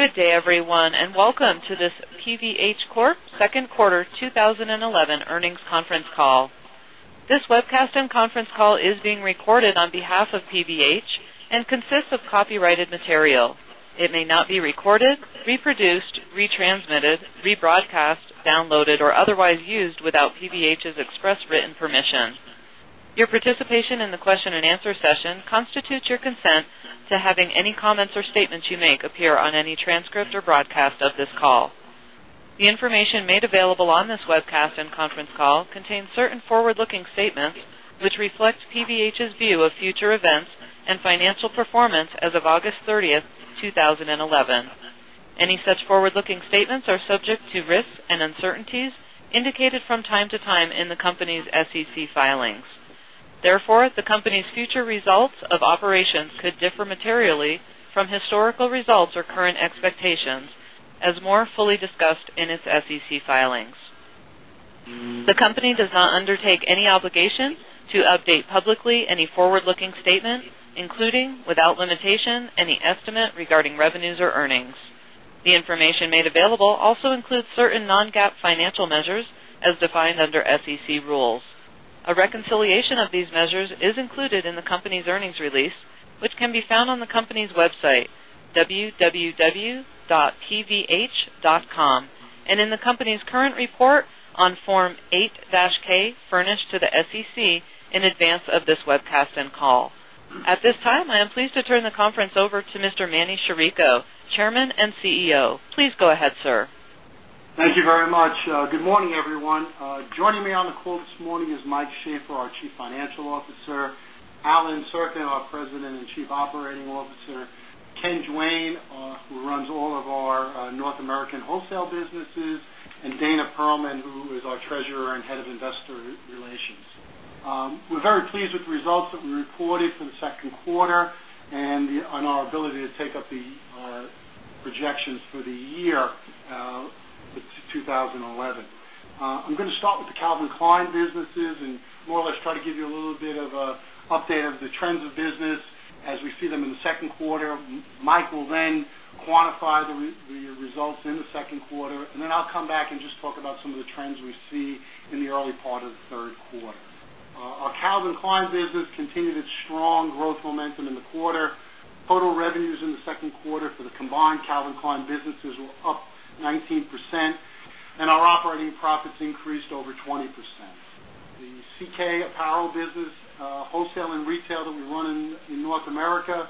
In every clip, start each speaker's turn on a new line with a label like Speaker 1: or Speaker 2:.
Speaker 1: Good day, everyone, and welcome to this PVH Corp Second Quarter 2011 Earnings Conference Call. This webcast and conference call is being recorded on behalf of PVH and consists of copyrighted material. It may not be recorded, reproduced, retransmitted, rebroadcast, downloaded, or otherwise used without PVH's express written permission. Your participation in the question and answer session constitutes your consent to having any comments or statements you make appear on any transcript or broadcast of this call. The information made available on this webcast and conference call contains certain forward-looking statements which reflect PVH's view of future events and financial performance as of August 30th, 2011. Any such forward-looking statements are subject to risks and uncertainties indicated from time to time in the company's SEC filings. Therefore, the company's future results of operations could differ materially from historical results or current expectations as more fully discussed in its SEC filings. The company does not undertake any obligation to update publicly any forward-looking statement, including, without limitation, any estimate regarding revenues or earnings. The information made available also includes certain non-GAAP financial measures as defined under SEC rules. A reconciliation of these measures is included in the company's earnings release, which can be found on the company's website, www.pvh.com, and in the company's current report on Form 8-K furnished to the SEC in advance of this webcast and call. At this time, I am pleased to turn the conference over to Mr. Manny Chirico, Chairman and CEO. Please go ahead, sir.
Speaker 2: Thank you very much. Good morning, everyone. Joining me on the call this morning is Mike Shaffer, our Chief Financial Officer; Allen Sirkin, our President and Chief Operating Officer; Ken Duane, who runs all of our North American wholesale businesses; and Dana Perlman, who is our Treasurer and Head of Investor Relations. We're very pleased with the results that we reported for the second quarter and our ability to take up the projections for the year, for 2011. I'm going to start with the Calvin Klein businesses and more or less try to give you a little bit of an update of the trends of business as we see them in the second quarter. Mike will then quantify the results in the second quarter, and then I'll come back and just talk about some of the trends we see in the early part of the third quarter. Our Calvin Klein business continued its strong growth momentum in the quarter. Total revenues in the second quarter for the combined Calvin Klein businesses were up 19%, and our operating profits increased over 20%. The CK Apparel business, wholesale and retail that we run in North America,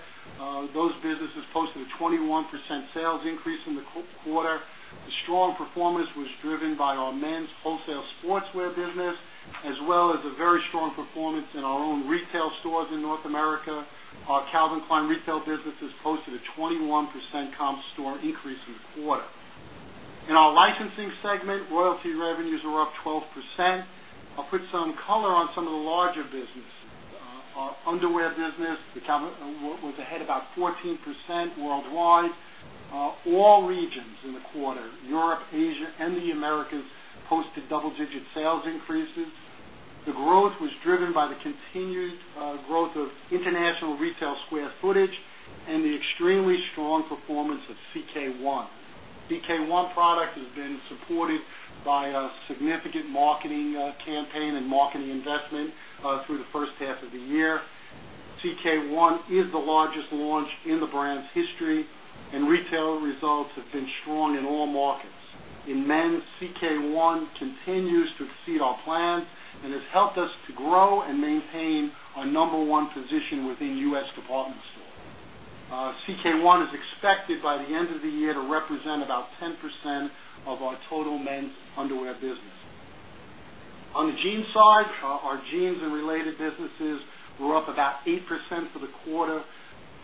Speaker 2: those businesses posted a 21% sales increase in the quarter. The strong performance was driven by our men's wholesale sportswear business, as well as a very strong performance in our own retail stores in North America. Our Calvin Klein retail businesses posted a 21% comp store increase in the quarter. In our licensing segment, royalty revenues were up 12%. I'll put some color on some of the larger businesses. Our underwear business was ahead about 14% worldwide. All regions in the quarter, Europe, Asia, and the Americas, posted double-digit sales increases. The growth was driven by the continued growth of international retail square footage and the extremely strong performance of CK One. CK One product has been supported by a significant marketing campaign and marketing investment through the first half of the year. CK One is the largest launch in the brand's history, and retail results have been strong in all markets. In men's, CK One continues to exceed our plans and has helped us to grow and maintain our number one position within U.S. department stores. CK One is expected by the end of the year to represent about 10% of our total men's underwear business. On the jeans side, our jeans and related businesses were up about 8% for the quarter,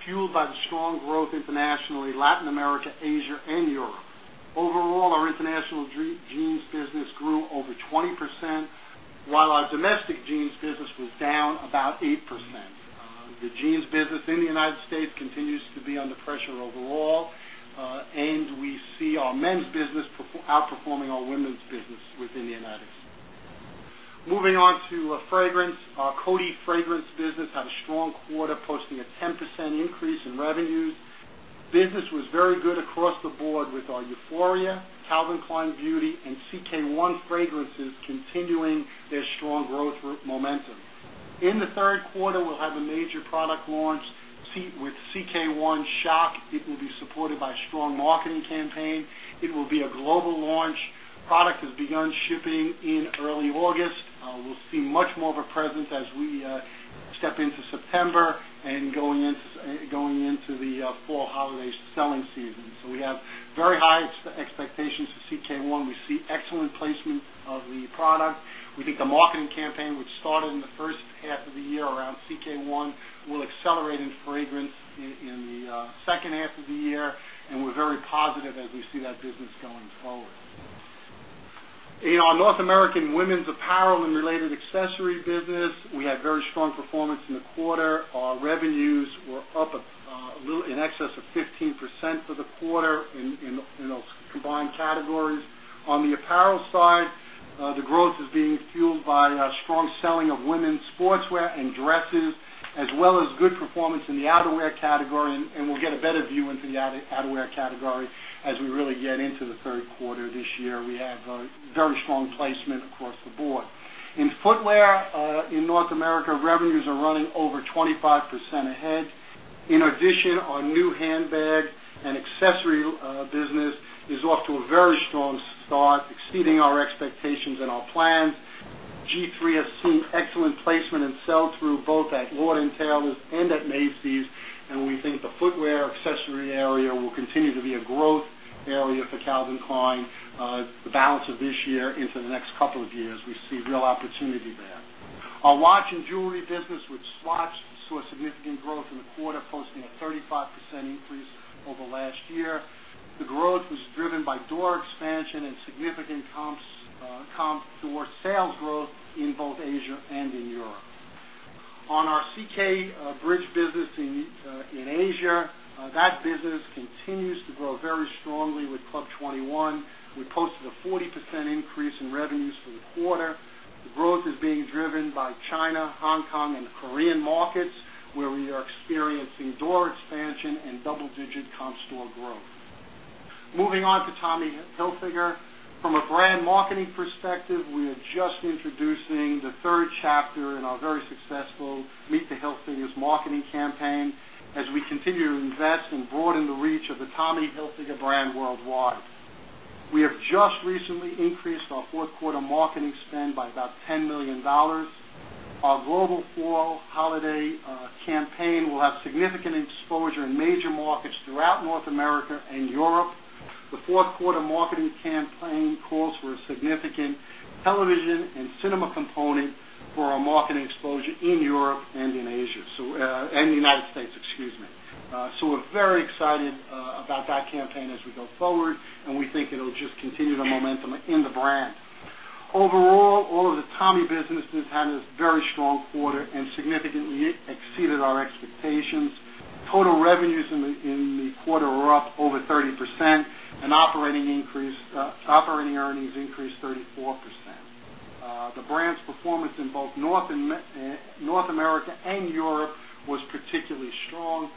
Speaker 2: fueled by the strong growth internationally in Latin America, Asia, and Europe. Overall, our international jeans business grew over 20%, while our domestic jeans business was down about 8%. The jeans business in the United States continues to be under pressure overall, and we see our men's business outperforming our women's business within the United States. Moving on to fragrance, our Coty fragrance business had a strong quarter posting a 10% increase in revenues. Business was very good across the board with our Euphoria, Calvin Klein Beauty, and CK One fragrances continuing their strong growth momentum. In the third quarter, we'll have a major product launch with CK One Shop. It will be supported by a strong marketing campaign. It will be a global launch. Product has begun shipping in early August. We'll see much more of a presence as we step into September and going into the fall holiday selling season. We have very high expectations for CK One. We see excellent placements of the product. We think the marketing campaign, which started in the first half of the year around CK One, will accelerate in fragrance in the second half of the year, and we're very positive as we see that business going forward. In our North American women's apparel and related accessory business, we had very strong performance in the quarter. Our revenues were up a little in excess of 15% for the quarter in those combined categories. On the apparel side, the growth is being fueled by strong selling of women's sportswear and dresses, as well as good performance in the outerwear category. We'll get a better view into the outerwear category as we really get into the third quarter of this year. We have a very strong placement across the board. In footwear, in North America, revenues are running over 25% ahead. In addition, our new handbag and accessory business is off to a very strong start, exceeding our expectations and our plans. G-III has seen excellent placement and sell-through both at Lord & Taylor and at Macy's. We think the footwear accessory area will continue to be a growth area for Calvin Klein the balance of this year into the next couple of years. We see real opportunity there. Our watch and jewelry business, which watched for significant growth in the quarter, posting a 35% increase over last year. The growth was driven by door expansion and significant comp store sales growth in both Asia and in Europe. On our CK Bridge business in Asia, that business continues to grow very strongly with Club 21. We posted a 40% increase in revenues for the quarter. The growth is being driven by China, Hong Kong, and the Korean markets, where we are experiencing door expansion and double-digit comp store growth. Moving on to Tommy Hilfiger, from a brand marketing perspective, we are just introducing the third chapter in our very successful Meet the Hilfigers marketing campaign as we continue to invest and broaden the reach of the Tommy Hilfiger brand worldwide. We have just recently increased our fourth quarter marketing spend by about $10 million. Our global fall holiday campaign will have significant exposure in major markets throughout North America and Europe. The fourth quarter marketing campaign calls for a significant television and cinema component for our marketing exposure in Europe and in Asia, in the United States, excuse me. We are very excited about that campaign as we go forward, and we think it'll just continue the momentum in the brand. Overall, all of the Tommy businesses had a very strong quarter and significantly exceeded our expectations. Total revenues in the quarter were up over 30%, and operating earnings increased 34%. The brand's performance in both North America and Europe was particularly strong.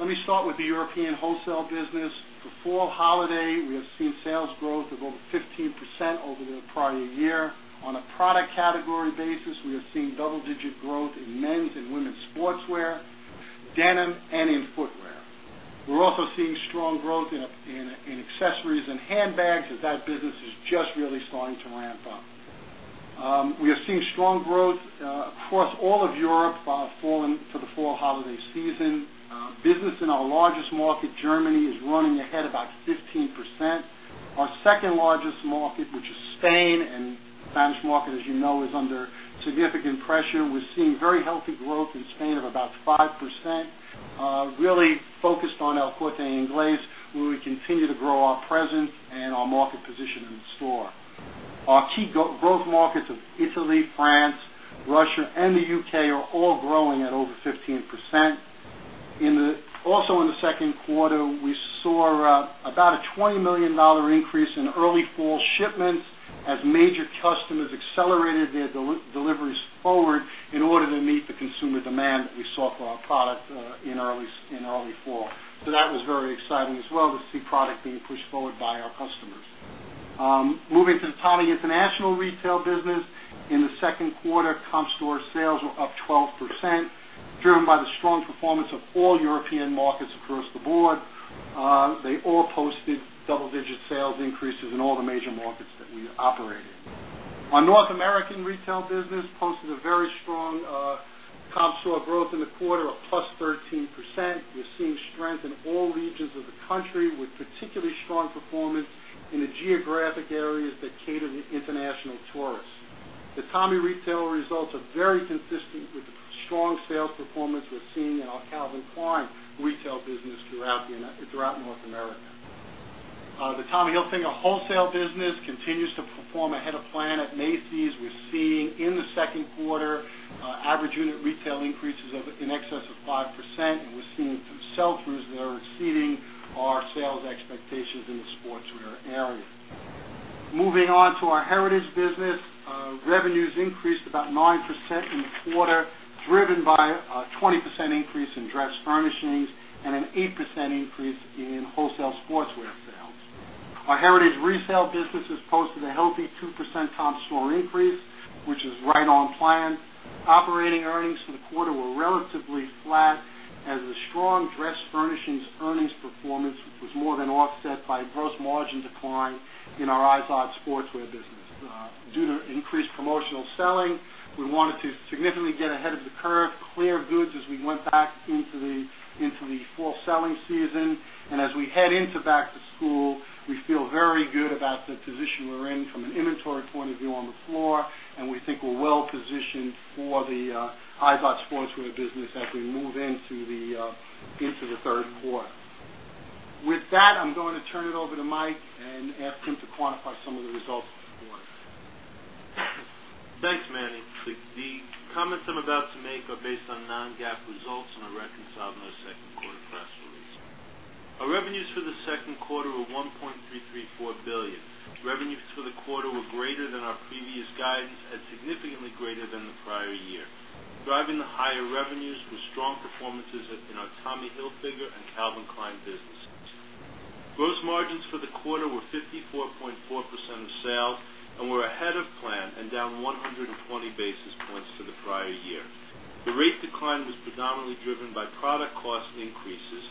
Speaker 2: Let me start with the European wholesale business. The fall holiday, we have seen sales growth of over 15% over the prior year. On a product category basis, we have seen double-digit growth in men's and women's sportswear, denim, and in footwear. We are also seeing strong growth in accessories and handbags, as that business is just really starting to ramp up. We are seeing strong growth across all of Europe for the fall holiday season. Business in our largest market, Germany, is running ahead about 15%. Our second largest market, which is Spain and the Spanish market, as you know, is under significant pressure. We are seeing very healthy growth in Spain of about 5%, really focused on El Corte Inglés, where we continue to grow our presence and our market position in the store. Our key growth markets of Italy, France, Russia, and the U.K. are all growing at over 15%. Also, in the second quarter, we saw about a $20 million increase in early fall shipments as major customers accelerated their deliveries forward in order to meet the consumer demand that we saw for our product in early fall. That was very exciting as well to see product being pushed forward by our customers. Moving to the Tommy International retail business, in the second quarter, comp store sales were up 12%, driven by the strong performance of all European markets across the board. They all posted double-digit sales increases in all the major markets that we operate in. Our North American retail business posted a very strong comp store growth in the quarter of +13%. We're seeing strength in all regions of the country, with particularly strong performance in the geographic areas that cater to international tourists. The Tommy retail results are very consistent with the strong sales performance we're seeing in our Calvin Klein retail business throughout North America. The Tommy Hilfiger wholesale business continues to perform ahead of plan at Macy's. We're seeing in the second quarter average unit retail increases in excess of 5%, and we're seeing sell-throughs that are exceeding our sales expectations in the sportswear area. Moving on to our Heritage business, revenues increased about 9% in the quarter, driven by a 20% increase in dress furnishings and an 8% increase in wholesale sportswear sales. Our Heritage resale business has posted a healthy 2% comp store increase, which is right on plan. Operating earnings for the quarter were relatively flat, as the strong dress furnishings earnings performance was more than offset by a gross margin decline in our IZOD sportswear business. Due to increased promotional selling, we wanted to significantly get ahead of the curve, clear goods as we went back into the fall selling season. As we head into back to school, we feel very good about the position we're in from an inventory point of view on the floor, and we think we're well positioned for the IZOD sportswear business as we move into the third quarter. With that, I'm going to turn it over to Mike and ask him to quantify some of the results of the quarter.
Speaker 3: Thanks, Manny. The comments I'm about to make are based on non-GAAP results on a reconciled most second quarter class release. Our revenues for the second quarter were $1.334 billion. Revenues for the quarter were greater than our previous guidance and significantly greater than the prior year, driving the higher revenues with strong performances in our Tommy Hilfiger and Calvin Klein businesses. Gross margins for the quarter were 54.4% of sales and were ahead of plan and down 120 basis points from the prior year. The rate decline was predominantly driven by product cost increases,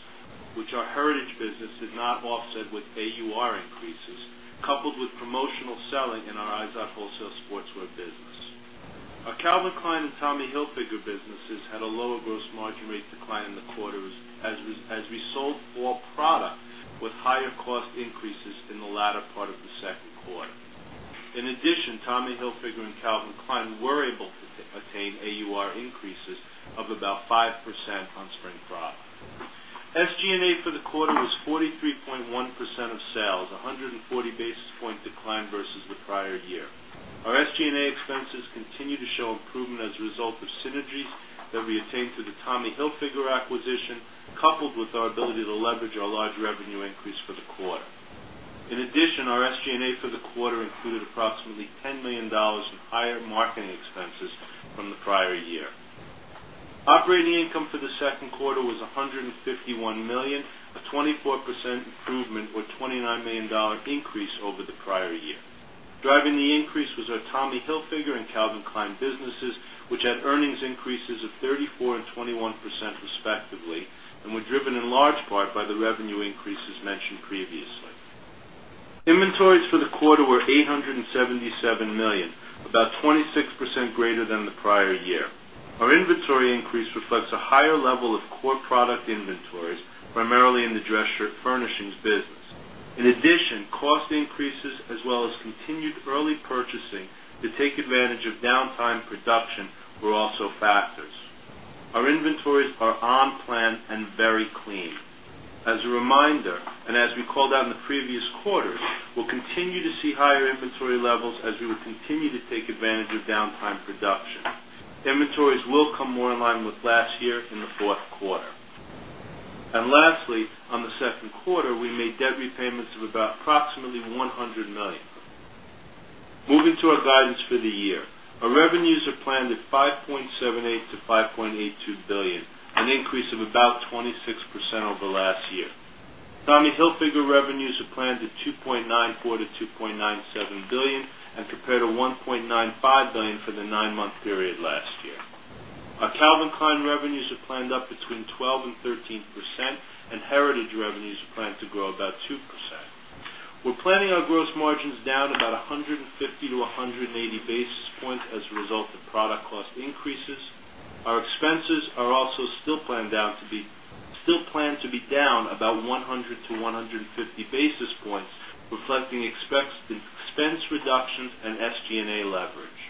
Speaker 3: which our Heritage business did not offset with AUR increases, coupled with promotional selling in our IZOD wholesale sportswear business. Our Calvin Klein and Tommy Hilfiger businesses had a lower gross margin rate decline in the quarter as we sold more product with higher cost increases in the latter part of the second quarter. In addition, Tommy Hilfiger and Calvin Klein were able to attain AUR increases of about 5% on spring product. SG&A for the quarter was 43.1% of sales, a 140 basis points decline versus the prior year. Our SG&A expenses continue to show improvement as a result of synergies that we attained through the Tommy Hilfiger acquisition, coupled with our ability to leverage our large revenue increase for the quarter. In addition, our SG&A for the quarter included approximately $10 million in higher marketing expenses from the prior year. Operating income for the second quarter was $151 million, a 24% improvement or $29 million increase over the prior year. Driving the increase was our Tommy Hilfiger and Calvin Klein businesses, which had earnings increases of 34% and 21% respectively and were driven in large part by the revenue increases mentioned previously. Inventories for the quarter were $877 million, about 26% greater than the prior year. Our inventory increase reflects a higher level of core product inventories, primarily in the dress shirt furnishings business. In addition, cost increases as well as continued early purchasing to take advantage of downtime production were also factors. Our inventories are on plan and very clean. As a reminder, and as we called out in the previous quarters, we'll continue to see higher inventory levels as we will continue to take advantage of downtime production. Inventories will come more in line with last year in the fourth quarter. Lastly, on the second quarter, we made debt repayments of approximately $100 million. Moving to our guidance for the year, our revenues are planned at $5.78 billion-$5.82 billion, an increase of about 26% over last year. Tommy Hilfiger revenues are planned at $2.94 billion-$2.97 billion and compared to $1.95 billion for the nine-month period last year. Our Calvin Klein revenues are planned up between 12% and 13%, and Heritage revenues are planned to grow about 2%. We're planning our gross margins down about 150-180 basis points as a result of product cost increases. Our expenses are also still planned to be down about 100-150 basis points, reflecting expense reductions and SG&A leverage.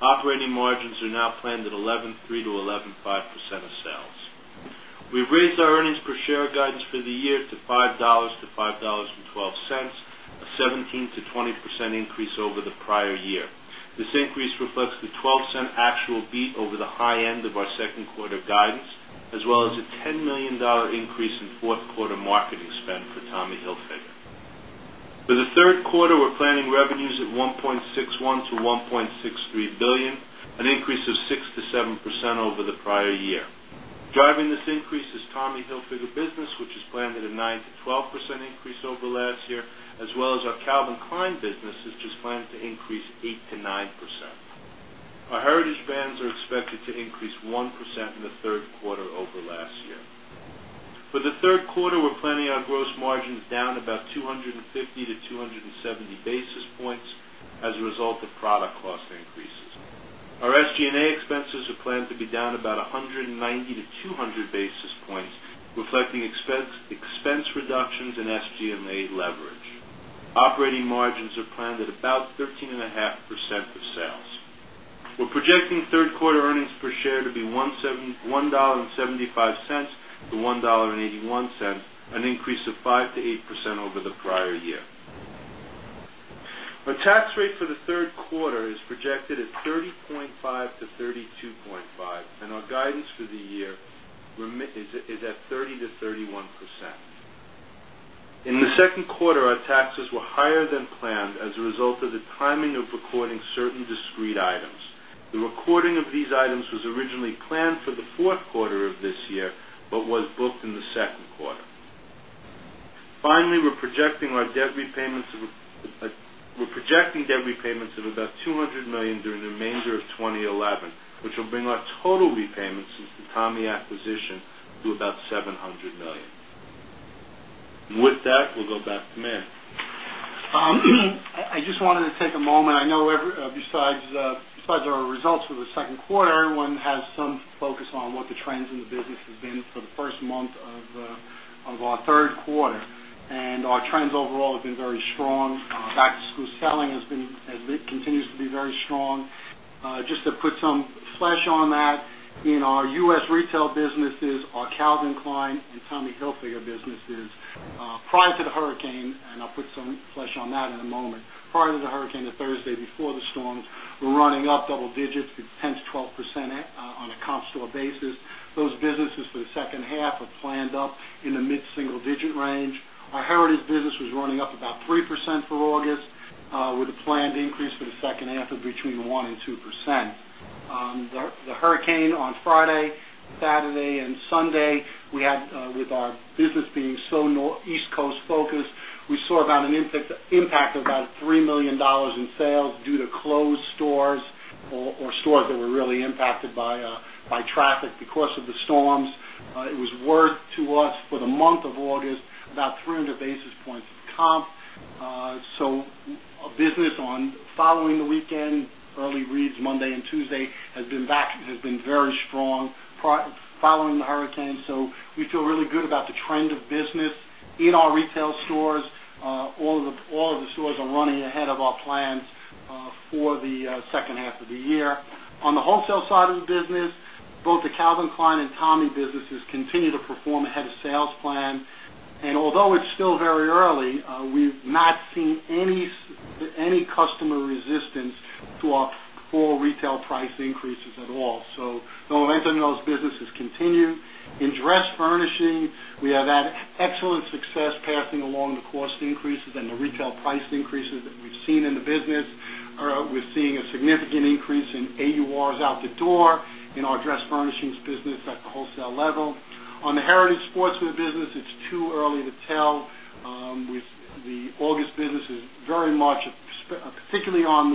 Speaker 3: Operating margins are now planned at 11.3%-11.5% of sales. We've raised our earnings per share guidance for the year to $5.00-$5.12, a 17%-20% increase over the prior year. This increase reflects the $0.12 actual beat over the high end of our second quarter guidance, as well as a $10 million increase in fourth quarter marketing spend for Tommy Hilfiger. For the third quarter, we're planning revenues at $1.61 billion-$1.63 billion, an increase of 6%-7% over the prior year. Driving this increase is Tommy Hilfiger business, which is planned at a 9%-12% increase over last year, as well as our Calvin Klein business, which is planned to increase 8%-9%. Our Heritage brands are expected to increase 1% in the third quarter over last year. For the third quarter, we're planning our gross margins down about 250-270 basis points as a result of product cost increases. Our SG&A expenses are planned to be down about 190-200 basis points, reflecting expense reductions and SG&A leverage. Operating margins are planned at about 13.5% of sales. We're projecting third quarter earnings per share to be $1.75-$1.81, an increase of 5%-8% over the prior year. Our tax rate for the third quarter is projected at 30.5%-32.5%, and our guidance for the year is at 30%-31%. In the second quarter, our taxes were higher than planned as a result of the timing of recording certain discrete items. The recording of these items was originally planned for the fourth quarter of this year but was booked in the second quarter. Finally, we're projecting our debt repayments of about $200 million during the remainder of 2011, which will bring our total repayments since the Tommy acquisition to about $700 million. With that, we'll go back to Manny.
Speaker 2: I just wanted to take a moment. I know, besides our results for the second quarter, everyone has some focus on what the trends in the business have been for the first month of our third quarter. Our trends overall have been very strong. [Zack's selling] has been, continues to be, very strong. Just to put some flesh on that, in our U.S. retail businesses, our Calvin Klein and Tommy Hilfiger businesses, prior to the hurricane—and I'll put some flesh on that in a moment—prior to the hurricane, the Thursday before the storm, we were running up double digits. It's 10%-12% on a comp store basis. Those businesses for the second half are planned up in the mid-single-digit range. Our Heritage business was running up about 3% for August, with a planned increase for the second half of between 1% and 2%. The hurricane on Friday, Saturday, and Sunday, with our business being so East Coast focused, we saw about an impact of about $3 million in sales due to closed stores or stores that were really impacted by traffic because of the storms. It was worth to us for the month of August about 300 basis points comp. A business on following the weekend, early reads Monday and Tuesday, has been very strong following the hurricane. We feel really good about the trend of business in our retail stores. All of the stores are running ahead of our plans for the second half of the year. On the wholesale side of the business, both the Calvin Klein and Tommy businesses continue to perform ahead of sales plan. Although it's still very early, we've not seen any customer resistance to our full retail price increases at all. The momentum in those businesses continues. In dress furnishings, we have had excellent success passing along the cost increases and the retail price increases that we've seen in the business. We're seeing a significant increase in AURs out the door in our dress furnishings business at the wholesale level. On the Heritage sportswear business, it's too early to tell. The August business is very much, particularly on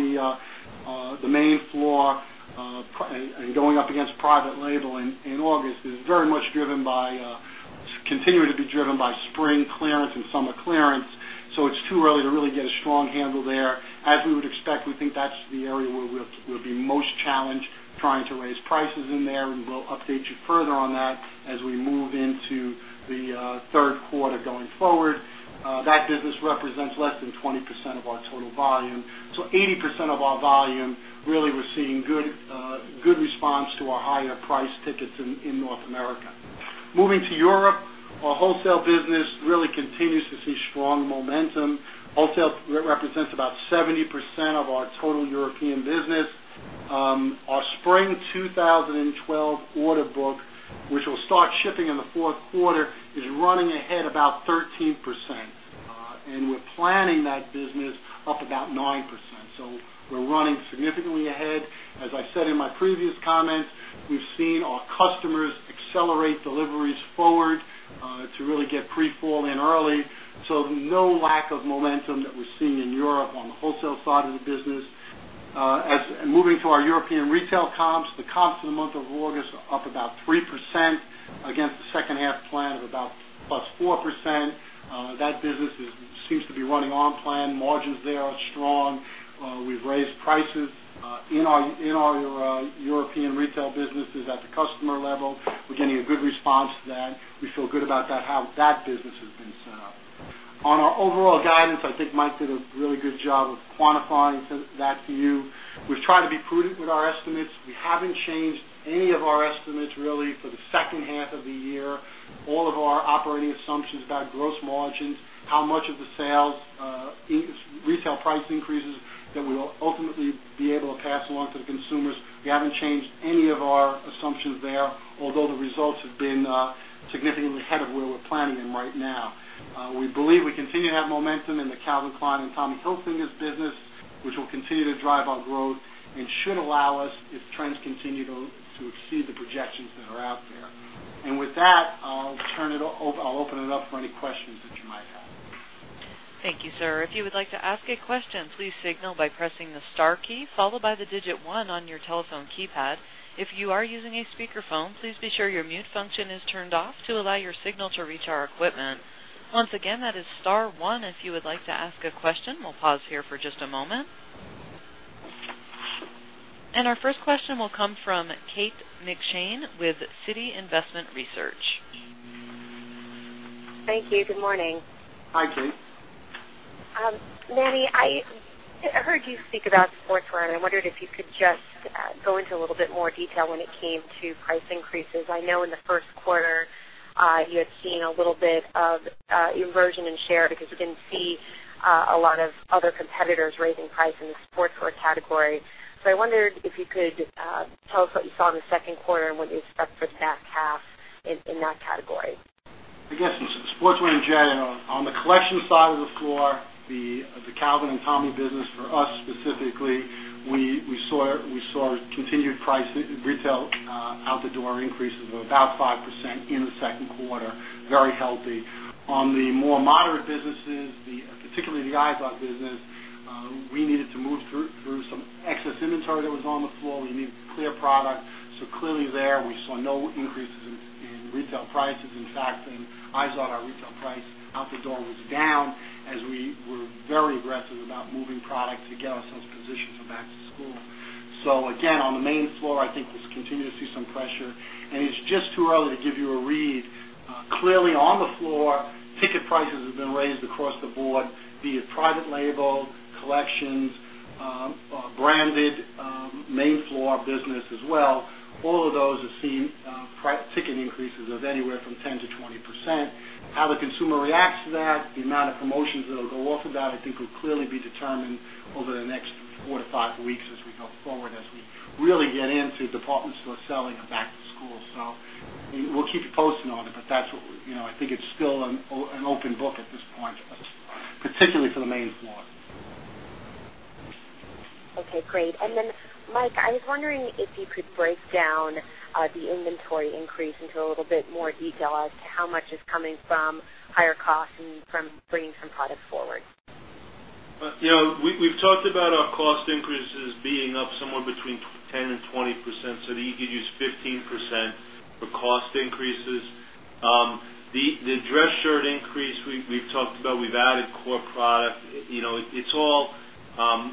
Speaker 2: the main floor and going up against private label in August, is very much driven by continuing to be driven by spring clearance and summer clearance. It's too early to really get a strong handle there. As we would expect, we think that's the area where we'll be most challenged trying to raise prices in there. We'll update you further on that as we move into the third quarter going forward. That business represents less than 20% of our total volume. 80% of our volume, really, we're seeing good response to our higher price tickets in North America. Moving to Europe, our wholesale business really continues to see strong momentum. Wholesale represents about 70% of our total European business. Our spring 2012 order book, which will start shipping in the fourth quarter, is running ahead about 13%. We're planning that business up about 9%. We're running significantly ahead. As I said in my previous comments, we've seen our customers accelerate deliveries forward to really get pre-fall in early. No lack of momentum that we're seeing in Europe on the wholesale side of the business. Moving to our European retail comps, the comps for the month of August are up about 3% against the second half plan of about +4%. That business seems to be running on plan. Margins there are strong. We've raised prices in our European retail businesses at the customer level. We're getting a good response to that. We feel good about how that business has been set up. On our overall guidance, I think Mike did a really good job of quantifying that to you. We've tried to be prudent with our estimates. We haven't changed any of our estimates, really, for the second half of the year. All of our operating assumptions about gross margins, how much of the sales retail price increases that we will ultimately be able to pass along to the consumers, we haven't changed any of our assumptions there, although the results have been significantly ahead of where we're planning them right now. We believe we continue to have momentum in the Calvin Klein and Tommy Hilfiger business, which will continue to drive our growth and should allow us, if trends continue to exceed the projections that are out there. With that, I'll turn it over. I'll open it up for any questions that you might have.
Speaker 1: Thank you, sir. If you would like to ask a question, please signal by pressing the star key followed by the digit one on your telephone keypad. If you are using a speakerphone, please be sure your mute function is turned off to allow your signal to reach our equipment. Once again, that is star one if you would like to ask a question. We'll pause here for just a moment. Our first question will come from Kate McShane with Citi Investment Research.
Speaker 4: Thank you. Good morning.
Speaker 2: Hi, Kate.
Speaker 4: Manny, I heard you speak about sportswear, and I wondered if you could just go into a little bit more detail when it came to price increases. I know in the first quarter, you had seen a little bit of inversion in share because you didn't see a lot of other competitors raising prices in the sportswear category. I wondered if you could tell us what you saw in the second quarter and what you expect for that half in that category.
Speaker 2: I guess sportswear in general, on the collection side of the floor, the Calvin and Tommy business for us specifically, we saw continued price retail out the door increases of about 5% in the second quarter, very healthy. On the more moderate businesses, particularly the IZOD business, we needed to move through some excess inventory that was on the floor. We needed clear product. Clearly there, we saw no increases in retail prices. In fact, in IZOD, our retail price out the door was down as we were very aggressive about moving product together so as to position for back to school. Again, on the main floor, I think we continue to see some pressure, and it's just too early to give you a read. Clearly on the floor, ticket prices have been raised across the board via private label, collections, branded main floor business as well. All of those have seen ticket increases of anywhere from 10%-20%. How the consumer reacts to that, the amount of promotions that will go off of that, I think will clearly be determined over the next four to five weeks as we go forward, as we really get into department store selling and back to school. We'll keep you posted on it, but that's what you know. I think it's still an open book at this point, particularly for the main floor.
Speaker 4: Okay. Great. Mike, I was wondering if you could break down the inventory increase into a little bit more detail as to how much is coming from higher costs and from bringing some products forward.
Speaker 3: We've talked about our cost increases being up somewhere between 10% and 20%. To give you 15% for cost increases, the dress shirt increase we've talked about, we've added core product. It's all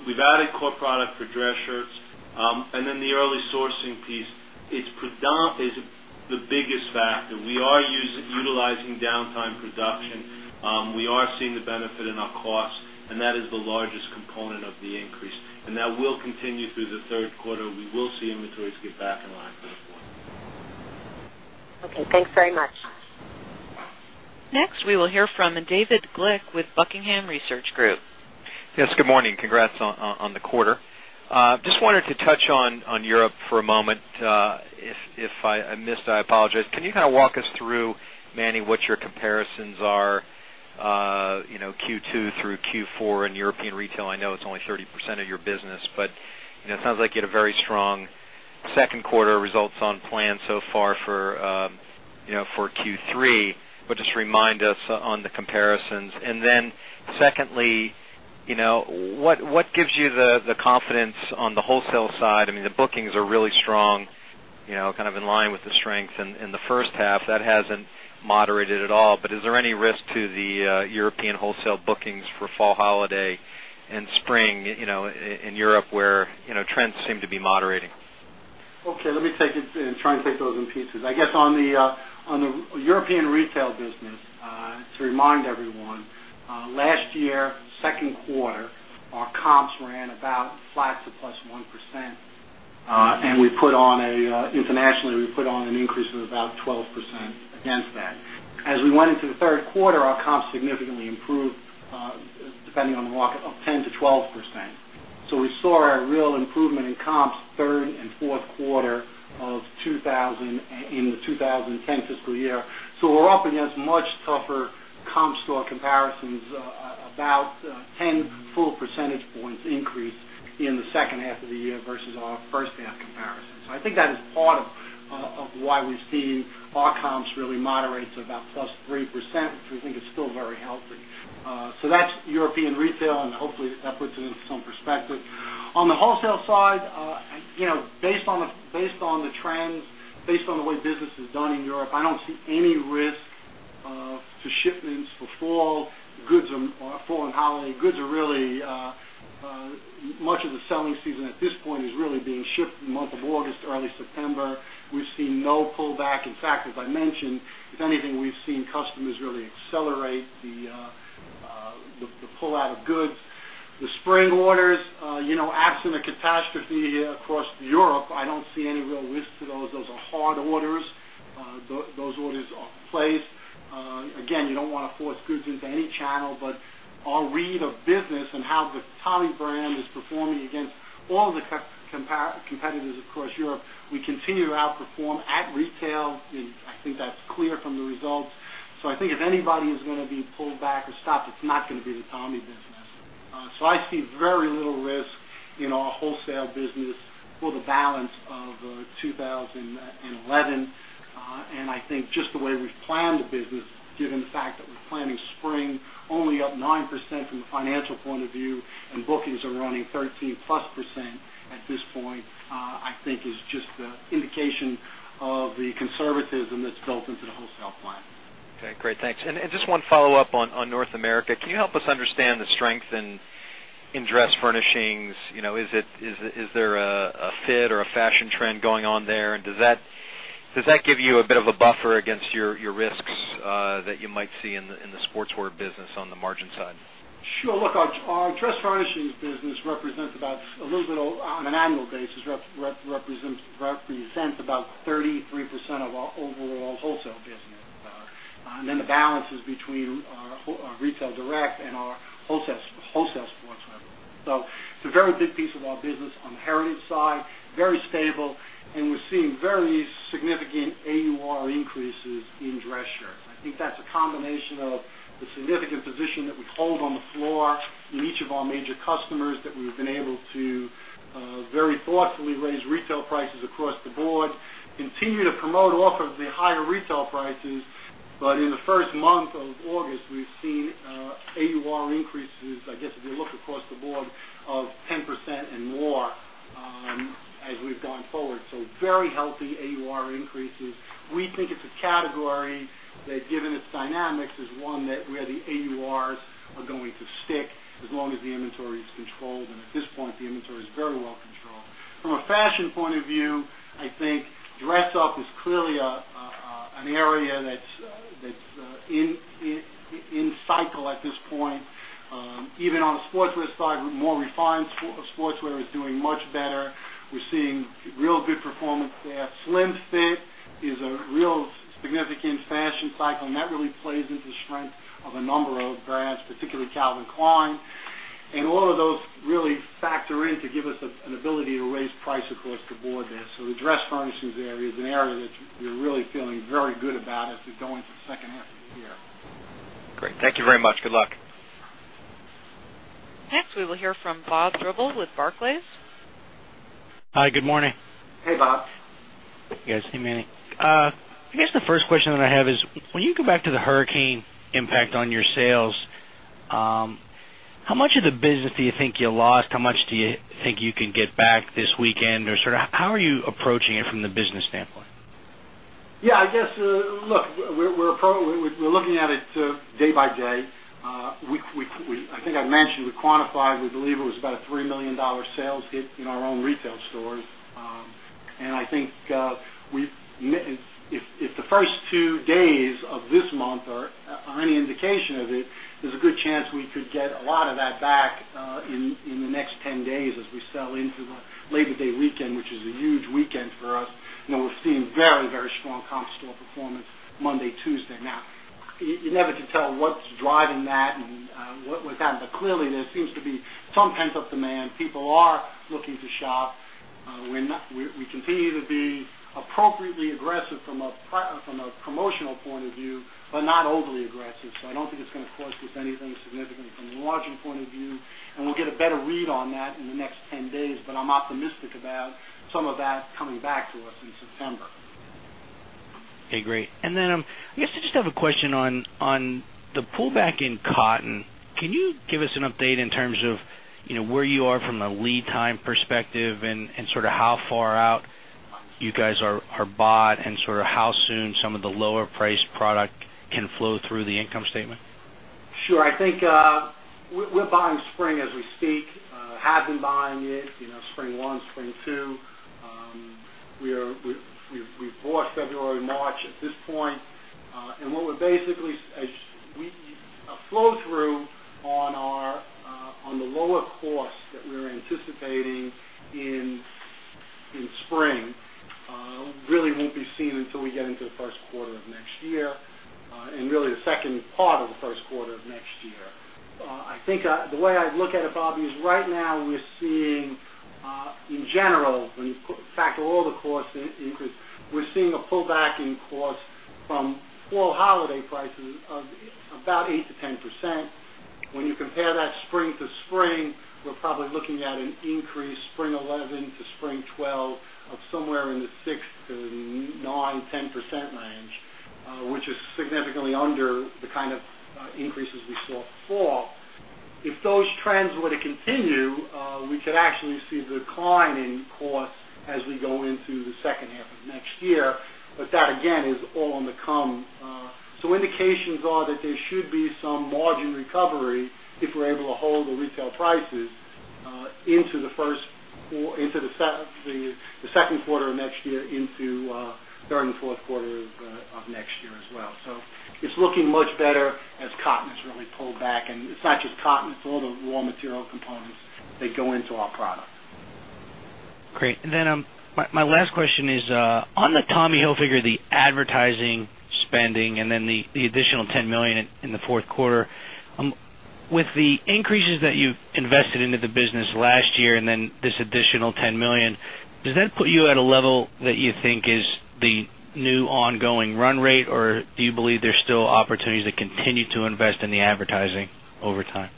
Speaker 3: we've added core product for dress shirts. The early sourcing piece is the biggest factor. We are utilizing downtime production. We are seeing the benefit in our costs, and that is the largest component of the increase. That will continue through the third quarter. We will see inventories get back in line.
Speaker 4: Okay, thanks very much.
Speaker 1: Next, we will hear from David Glick with Buckingham Research Group.
Speaker 5: Yes. Good morning. Congrats on the quarter. I just wanted to touch on Europe for a moment. If I missed, I apologize. Can you kind of walk us through, Manny, what your comparisons are, you know, Q2 through Q4 in European retail? I know it's only 30% of your business, but it sounds like you had a very strong second quarter results on plan so far for Q3. Just remind us on the comparisons. Secondly, what gives you the confidence on the wholesale side? I mean, the bookings are really strong, kind of in line with the strength in the first half. That hasn't moderated at all. Is there any risk to the European wholesale bookings for fall holiday and spring in Europe where trends seem to be moderating?
Speaker 2: Okay. Let me take it and try and think those in pieces. I guess on the European retail business, to remind everyone, last year, second quarter, our comps ran about flat to +1%. We put on a internationally, we put on an increase of about 12% against that. As we went into the third quarter, our comps significantly improved, depending on the market, of 10%-12%. We saw a real improvement in comps third and fourth quarter of 2000 in the 2010 fiscal year. We're up against much tougher comp store comparisons, about 10 full percentage points increase in the second half of the year versus our first half comparison. I think that is part of why we see our comps really moderate to about +3%, which we think is still very healthy. That's European retail, and hopefully, that puts it in some perspective. On the wholesale side, based on the trends, based on the way business is done in Europe, I don't see any risk to shipments before the goods are falling holiday. Goods are really much of the selling season at this point is really being shipped in the month of August, early September. We've seen no pullback. In fact, as I mentioned, if anything, we've seen customers really accelerate the pull-out of goods. The spring orders, absent a catastrophe across Europe, I don't see any real risk to those. Those are hard orders. Those orders are placed. Again, you don't want to force goods into any channel, but our read of business and how the Tommy brand is performing against all of the competitors across Europe, we continue to outperform at retail. I think that's clear from the results. If anybody is going to be pulled back or stopped, it's not going to be the Tommy business. I see very little risk in our wholesale business for the balance of 2011. I think just the way we've planned the business, given the fact that we're planning spring only up 9% from a financial point of view and bookings are running 13%+ at this point, I think is just the indication of the conservatism that's built into the wholesale plan.
Speaker 5: Okay. Great. Thanks. Just one follow-up on North America. Can you help us understand the strength in dress furnishings? Is there a fit or a fashion trend going on there? Does that give you a bit of a buffer against your risks that you might see in the sportswear business on the margin side?
Speaker 2: Sure. Look, our dress furnishings business represents about a little bit on an annual basis, represents about 33% of overall wholesale business. The balance was between our retail direct and our wholesale sportswear. It is a very big piece of our business on the Heritage side, very stable, and we're seeing very significant AUR increases in dress shirts. I think that's a combination of the significant position that we hold on the floor in each of our major customers, that we've been able to very thoughtfully raise retail prices across the board, continue to promote off of the higher retail prices. In the first month of August, we've seen AUR increases, I guess, if you look across the board of 10% and more as we've gone forward. Very healthy AUR increases. We think it's a category that, given its dynamics, is one where the AURs are going to stick as long as the inventory is controlled. At this point, the inventory is very well controlled. From a fashion point of view, I think dress up is clearly an area that's in cycle at this point. Even on the sportswear side, with more refined sportswear, it's doing much better. We're seeing real good performance there. Slim fit is a real significant fashion cycle, and that really plays into the strength of a number of brands, particularly Calvin Klein. All of those really factor in to give us an ability to raise price across the board there. The dress furnishings area is an area that we're really feeling very good about as we go into the second half of the year.
Speaker 5: Great. Thank you very much. Good luck.
Speaker 1: Next, we will hear from Bob Deverill with Barclays.
Speaker 6: Hi, good morning.
Speaker 2: Hey, Bob.
Speaker 6: Yes, hey, Manny. I guess the first question that I have is, when you go back to the hurricane impact on your sales, how much of the business do you think you lost? How much do you think you can get back this weekend? How are you approaching it from the business standpoint?
Speaker 2: Yeah, I guess, look, we're looking at it day by day. I think I mentioned we quantified, we believe it was about a $3 million sales dip in our own retail stores. I think if the first two days of this month are any indication of it, there's a good chance we could get a lot of that back in the next 10 days as we sell into Labor Day weekend, which is a huge weekend for us. We're seeing very, very strong comp store performance Monday, Tuesday. You never can tell what's driving that and what was happening. Clearly, there seems to be some pent-up demand. People are looking to shop. We continue to be appropriately aggressive from a promotional point of view, but not overly aggressive. I don't think it's going to cost us anything significant from a margin point of view. We'll get a better read on that in the next 10 days, but I'm optimistic about some of that coming back to us in September.
Speaker 6: Okay. Great. I just have a question on the pullback in cotton. Can you give us an update in terms of where you are from a lead time perspective and sort of how far out you guys are bought and how soon some of the lower-priced product can flow through the income statement?
Speaker 2: Sure. I think we're buying spring as we speak. Have been buying it, you know, spring one, spring two. We've bought February and March at this point. What we're basically a flow-through on the lower cost that we're anticipating in spring really won't be seen until we get into the first quarter of next year, and really the second part of the first quarter of next year. I think the way I look at it, Bob, is right now we're seeing, in general, when you factor all the cost increases, we're seeing a pullback in cost from fall holiday prices of about 8%-10%. When you compare that spring to spring, we're probably looking at an increase spring 2011 to spring 2012 of somewhere in the 6%-9%, 10% range, which is significantly under the kind of increases we saw fall. If those trends were to continue, we could actually see the decline in cost as we go into the second half of next year. That, again, is all in the come. Indications are that there should be some margin recovery if we're able to hold the retail prices into the first quarter, into the second quarter of next year, into third and fourth quarter of next year as well. It's looking much better as cotton has really pulled back. It's not just cotton. It's all the raw material components that go into our product.
Speaker 6: Great. My last question is, on the Tommy Hilfiger advertising spending and the additional $10 million in the fourth quarter, with the increases that you've invested into the business last year and then this additional $10 million, does that put you at a level that you think is the new ongoing run rate, or do you believe there's still opportunities to continue to invest in the advertising over time?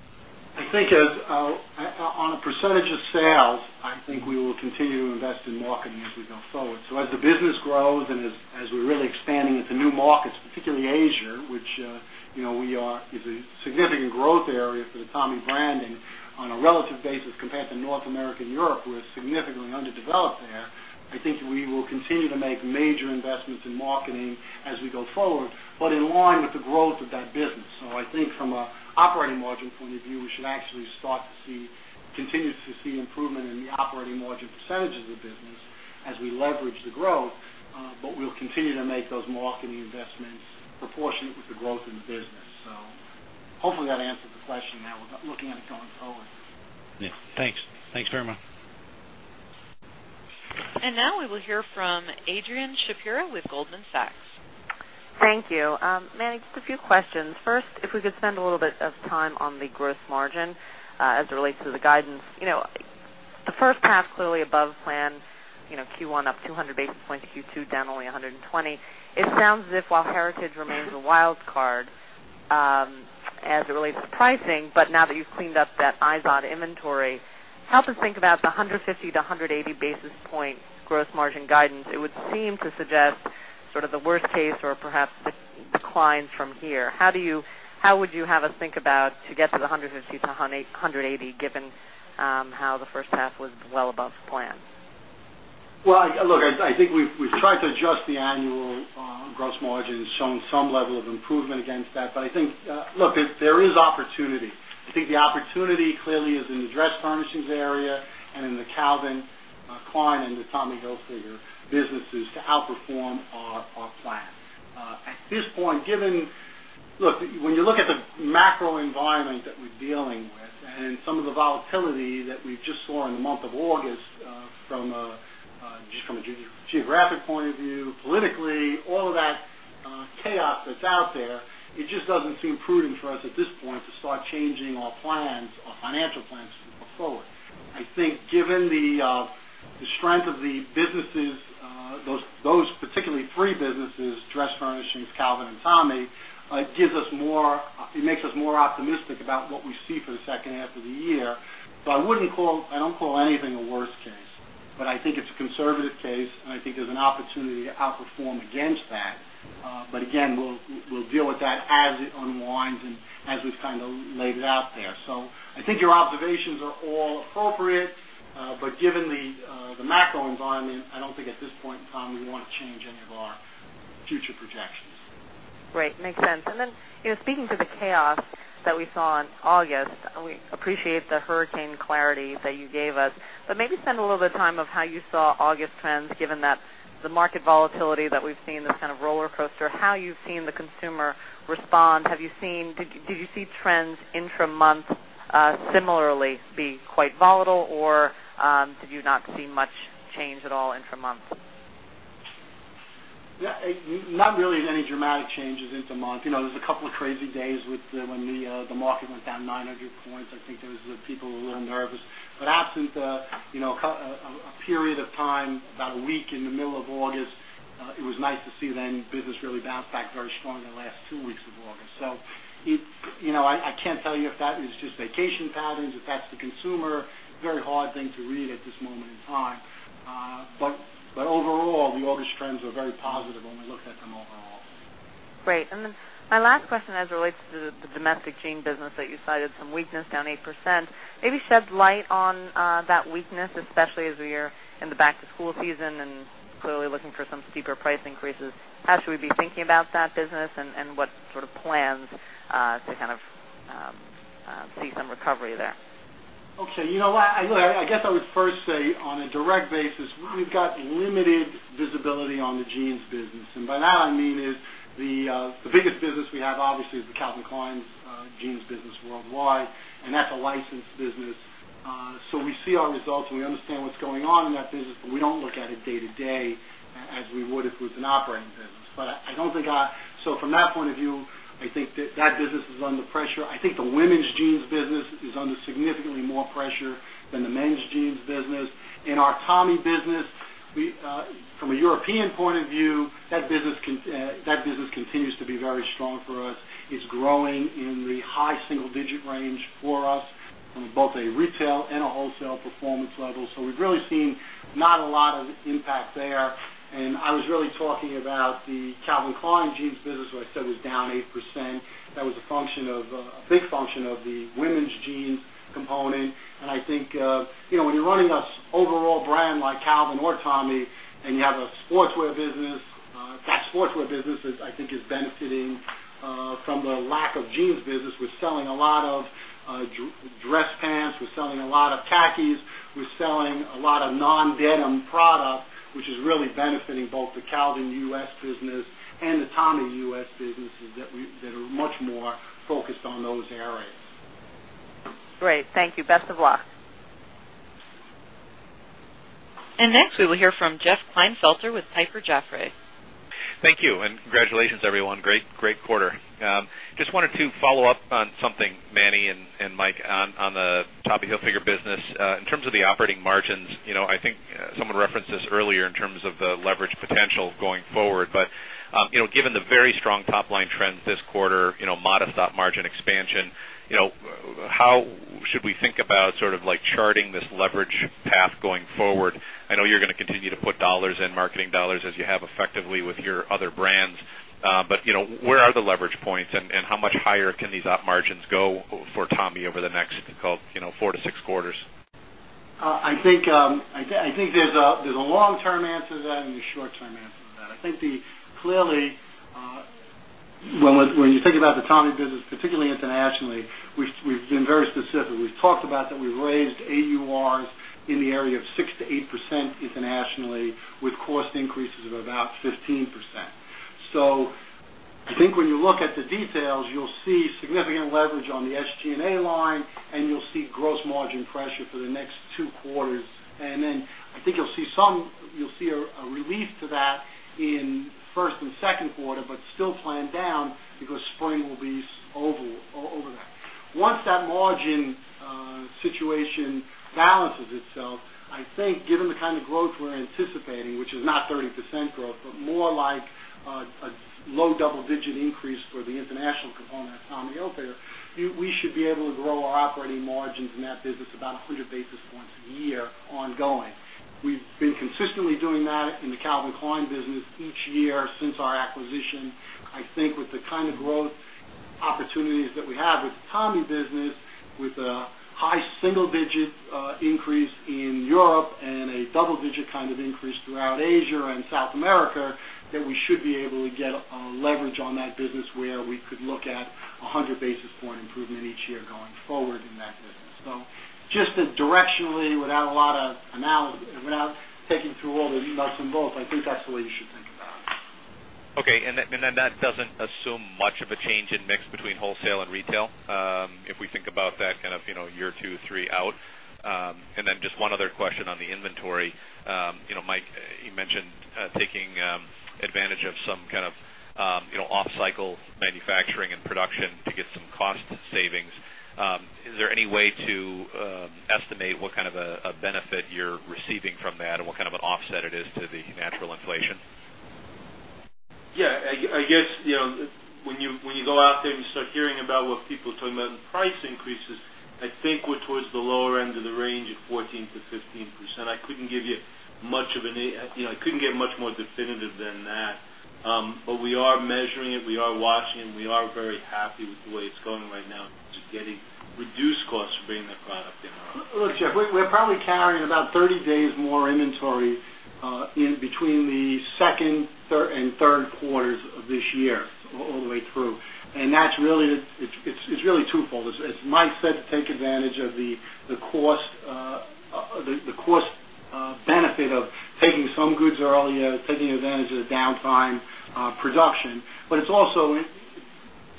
Speaker 2: I think as on a percentage of sales, I think we will continue to invest in marketing as we go forward. As the business grows and as we're really expanding into new markets, particularly Asia, which you know is a significant growth area for the Tommy branding on a relative basis compared to North America and Europe, we're significantly underdeveloped there. I think we will continue to make major investments in marketing as we go forward, in line with the growth of that business. I think from an operating margin point of view, we should actually start to see, continue to see improvement in the operating margin percentage of the business as we leverage the growth. We'll continue to make those marketing investments proportionate with the growth in the business. Hopefully, that answered the question that we're looking at it going forward.
Speaker 6: Yeah, thanks. Thanks very much.
Speaker 1: We will hear from Adrianne Shapira with Goldman Sachs.
Speaker 7: Thank you. Manny, just a few questions. First, if we could spend a little bit of time on the gross margin as it relates to the guidance. The first half clearly above plan, Q1 up 200 basis points, Q2 down only 120. It sounds as if while Heritage remains a wild card as it relates to pricing, now that you've cleaned up that IZOD inventory, help us think about the 150-180 basis point gross margin guidance. It would seem to suggest sort of the worst case or perhaps declines from here. How do you, how would you have us think about to get to the 150-180, given how the first half was well above plan?
Speaker 2: I think we've tried to adjust the annual gross margins, some level of improvement against that. I think there is opportunity. I think the opportunity clearly is in the dress furnishings area and in the Calvin Klein and the Tommy Hilfiger businesses to outperform our plan. At this point, when you look at the macro environment that we're dealing with and some of the volatility that we just saw in the month of August from a geographic point of view, politically, all of that chaos that's out there, it just doesn't seem prudent for us at this point to start changing our plans, our financial plans to move forward. I think given the strength of the businesses, those particularly three businesses, dress furnishings, Calvin, and Tommy, it gives us more, it makes us more optimistic about what we see for the second half of the year. I wouldn't call, I don't call anything a worst case, but I think it's a conservative case, and I think there's an opportunity to outperform against that. Again, we'll deal with that as it unwinds and as we've kind of laid it out there. I think your observations are all appropriate, but given the macro environment, I don't think at this point in time we want to change any of our future projections.
Speaker 7: Right. Makes sense. Speaking to the chaos that we saw in August, we appreciate the hurricane clarity that you gave us. Maybe spend a little bit of time on how you saw August trends, given the market volatility that we've seen, the kind of roller coaster, how you've seen the consumer respond. Have you seen, did you see trends intra-month similarly be quite volatile, or did you not see much change at all intra-month?
Speaker 2: Not really any dramatic changes intra-month. You know, there's a couple of crazy days when the market went down 900 points. I think there were people a little nervous. Absent the, you know, a period of time, about a week in the middle of August, it was nice to see then business really bounce back very strongly in the last two weeks of August. You know, I can't tell you if that is just vacation patterns, if that's the consumer, very hard thing to read at this moment in time. Overall, the August trends are very positive when we looked at them overall.
Speaker 7: Great. My last question as it relates to the domestic jean business that you cited, some weakness down 8%. Maybe shed light on that weakness, especially as we are in the back-to-school season and clearly looking for some steeper price increases. How should we be thinking about that business and what sort of plans to kind of see some recovery there?
Speaker 2: Okay. I guess I would first say on a direct basis, we've got limited visibility on the jeans business. By that, I mean the biggest business we have, obviously, is the Calvin Klein jeans business worldwide. That's a licensed business. We see our results and we understand what's going on in that business, but we don't look at it day-to-day as we would if it was an operating business. From that point of view, I think that business is under pressure. I think the women's jeans business is under significantly more pressure than the men's jeans business. In our Tommy business, from a European point of view, that business continues to be very strong for us. It's growing in the high single-digit range for us on both a retail and a wholesale performance level. We've really seen not a lot of impact there. I was really talking about the Calvin Klein jeans business, where I said it's down 8%. That was a function of a big function of the women's jeans component. When you're running an overall brand like Calvin or Tommy and you have a sportswear business, that sportswear business, I think, is benefiting from the lack of jeans business. We're selling a lot of dress pants. We're selling a lot of khakis. We're selling a lot of non-denim product, which is really benefiting both the Calvin U.S. business and the Tommy U.S. businesses that are much more focused on those areas.
Speaker 7: Great. Thank you. Best of luck.
Speaker 1: Next, we will hear from Jeff Klinefelter with Piper Jaffray.
Speaker 8: Thank you. Congratulations, everyone. Great quarter. I just wanted to follow up on something, Manny and Mike, on the Tommy Hilfiger business. In terms of the operating margins, I think someone referenced this earlier in terms of the leverage potential going forward. Given the very strong top-line trends this quarter, modest margin expansion, how should we think about sort of like charting this leverage path going forward? I know you're going to continue to put dollars in, marketing dollars, as you have effectively with your other brands. Where are the leverage points and how much higher can these op margins go for Tommy over the next, call it, four to six quarters?
Speaker 2: I think there's a long-term answer to that and a short-term answer to that. I think clearly, when you think about the Tommy business, particularly internationally, we've been very specific. We've talked about that we've raised AURs in the area of 6%-8% internationally with cost increases of about 15%. I think when you look at the details, you'll see significant leverage on the SG&A line, and you'll see gross margin pressure for the next two quarters. I think you'll see a relief to that in first and second quarter, but still planned down because spring will be over over there. Once that margin situation balances itself, I think given the kind of growth we're anticipating, which is not 30% growth, but more like a low double-digit increase for the international component of Tommy Hilfiger, we should be able to grow our operating margins in that business about 100 basis points a year ongoing. We've been consistently doing that in the Calvin Klein business each year since our acquisition. I think with the kind of growth opportunities that we have with the Tommy business, with a high single-digit increase in Europe and a double-digit kind of increase throughout Asia and South America, we should be able to get leverage on that business where we could look at 100 basis point improvement each year going forward in that business. Just directionally, without a lot of analysis, without taking through all the nuts and bolts, I think that's the way you should think about it.
Speaker 8: Okay. That doesn't assume much of a change in mix between wholesale and retail if we think about that kind of, you know, year, two, three out. Just one other question on the inventory. Mike, you mentioned taking advantage of some kind of, you know, off-cycle manufacturing and production to get some cost savings. Is there any way to estimate what kind of a benefit you're receiving from that and what kind of an offset it is to the natural inflation?
Speaker 3: Yeah. I guess, you know, when you go out there and you start hearing about what people are talking about in price increases, I think we're towards the lower end of the range of 14%-15%. I couldn't give you much of an, I couldn't get much more definitive than that. We are measuring it, we are watching it, and we are very happy with the way it's going right now. We're getting reduced costs for bringing that product in.
Speaker 2: Look, Jeff, we're probably carrying about 30 days more inventory in between the second and third quarters of this year, all the way through. That's really twofold. As Mike said, to take advantage of the cost benefit of taking some goods earlier, taking advantage of the downtime production. It's also,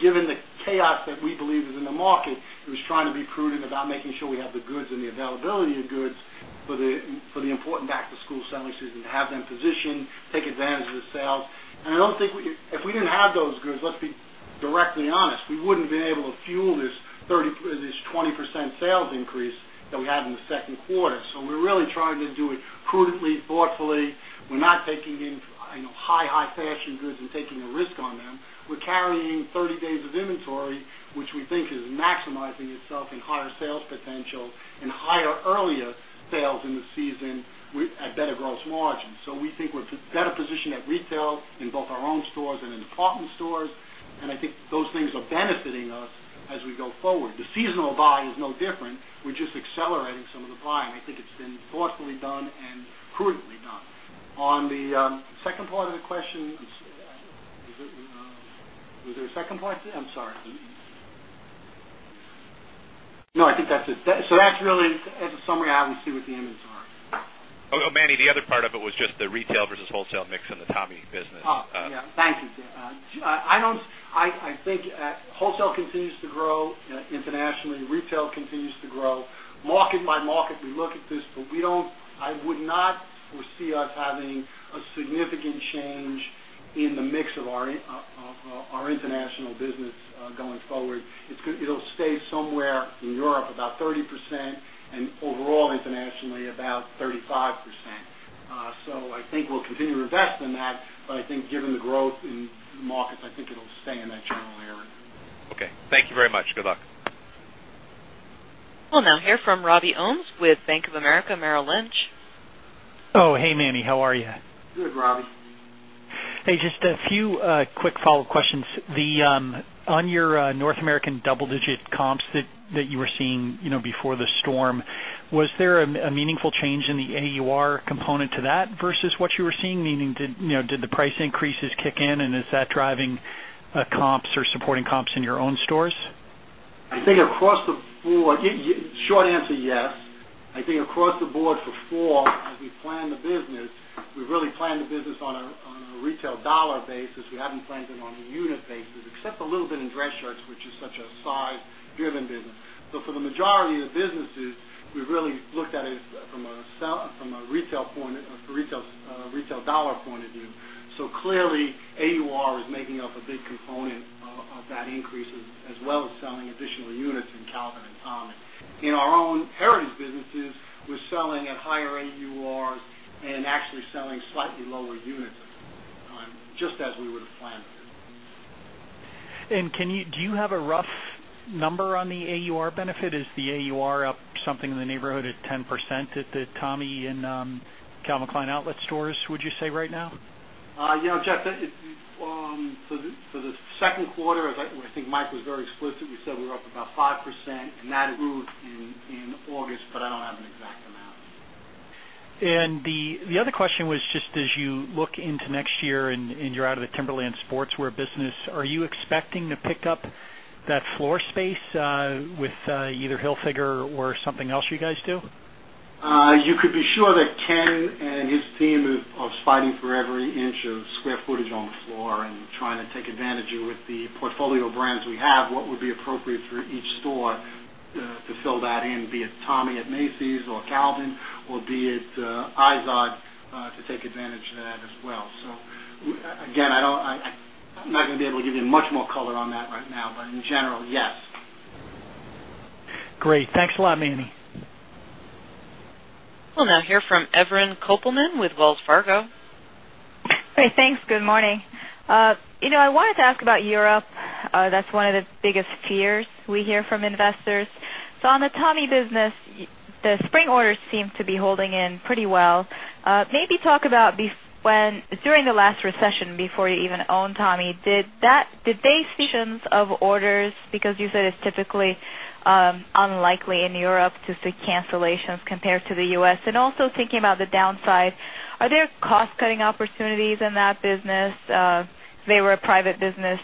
Speaker 2: given the chaos that we believe is in the market, trying to be prudent about making sure we have the goods and the availability of goods for the important back-to-school selling season to have them positioned, take advantage of the sales. I don't think if we didn't have those goods, let's be directly honest, we wouldn't have been able to fuel this 20% sales increase that we had in the second quarter. We're really trying to do it prudently, thoughtfully. We're not taking in high, high fashion goods and taking a risk on them. We're carrying 30 days of inventory, which we think is maximizing itself in higher sales potential and higher earlier sales in the season at better gross margins. We think we're at a better position at retail in both our own stores and in department stores. I think those things are benefiting us as we go forward. The seasonal buy is no different. We're just accelerating some of the buying. I think it's been thoughtfully done and prudently done. On the second part of the question, is there a second part? I'm sorry. No, I think that's it. That's really, as a summary, how we see with the inventory.
Speaker 8: Oh, Manny, the other part of it was just the retail versus wholesale mix in the Tommy business.
Speaker 2: [Thank you, Jeff]. I don't, I think wholesale continues to grow internationally. Retail continues to grow. Market by market, we look at this, but we don't, I would not foresee us having a significant change in the mix of our international business going forward. It'll stay somewhere in Europe about 30% and overall internationally about 35%. I think we'll continue to invest in that. I think given the growth in markets, I think it'll stay in that general area.
Speaker 8: Okay, thank you very much. Good luck.
Speaker 1: We'll now hear from Robbie Ohmes with Bank of America Merrill Lynch.
Speaker 9: Oh, hey, Manny. How are you?
Speaker 2: Good, Robbie.
Speaker 9: Hey, just a few quick follow-up questions. On your North American double-digit comps that you were seeing before the storm, was there a meaningful change in the AUR component to that versus what you were seeing? Meaning, did the price increases kick in, and is that driving comps or supporting comps in your own stores?
Speaker 2: I think across the board, short answer, yes. I think across the board for, as we planned the business, we really planned the business on a retail dollar basis. We haven't planned it on a unit basis, except a little bit in dress shirts, which is such a size-driven business. For the majority of the businesses, we really looked at it from a retail point, a retail dollar point of view. Clearly, AUR is making up a big component of that increase as well as selling additional units in Calvin and Tommy. In our own Heritage businesses, we're selling at higher AURs and actually selling slightly lower units just as we would have planned.
Speaker 9: Do you have a rough number on the AUR benefit? Is the AUR up something in the neighborhood of 10% at the Tommy and Calvin Klein outlet stores, would you say, right now?
Speaker 2: Yeah, [Jeff]. For the second quarter, as I think Mike was very explicit, we said we're up about 5%, and that is in August, but I don't have an exact amount.
Speaker 9: As you look into next year and you're out of the Timberland sportswear business, are you expecting to pick up that floor space with either Hilfiger or something else you guys do?
Speaker 2: You could be sure that Ken and his team are fighting for every inch of square footage on the floor and trying to take advantage of it with the portfolio brands we have, what would be appropriate for each store to fill that in, be it Tommy at Macy's or Calvin, or be it IZOD to take advantage of that as well. I don't, I'm not going to be able to give you much more color on that right now, but in general, yes.
Speaker 9: Great. Thanks a lot, Manny.
Speaker 1: We'll now hear from Evren Kopelman with Wells Fargo.
Speaker 10: Hey, thanks. Good morning. I wanted to ask about Europe. That's one of the biggest fears we hear from investors. On the Tommy business, the spring orders seem to be holding in pretty well. Maybe talk about when during the last recession before you even owned Tommy, did they see conditions of orders? You said it's typically unlikely in Europe to see cancellations compared to the U.S. Also, thinking about the downside, are there cost-cutting opportunities in that business? If they were a private business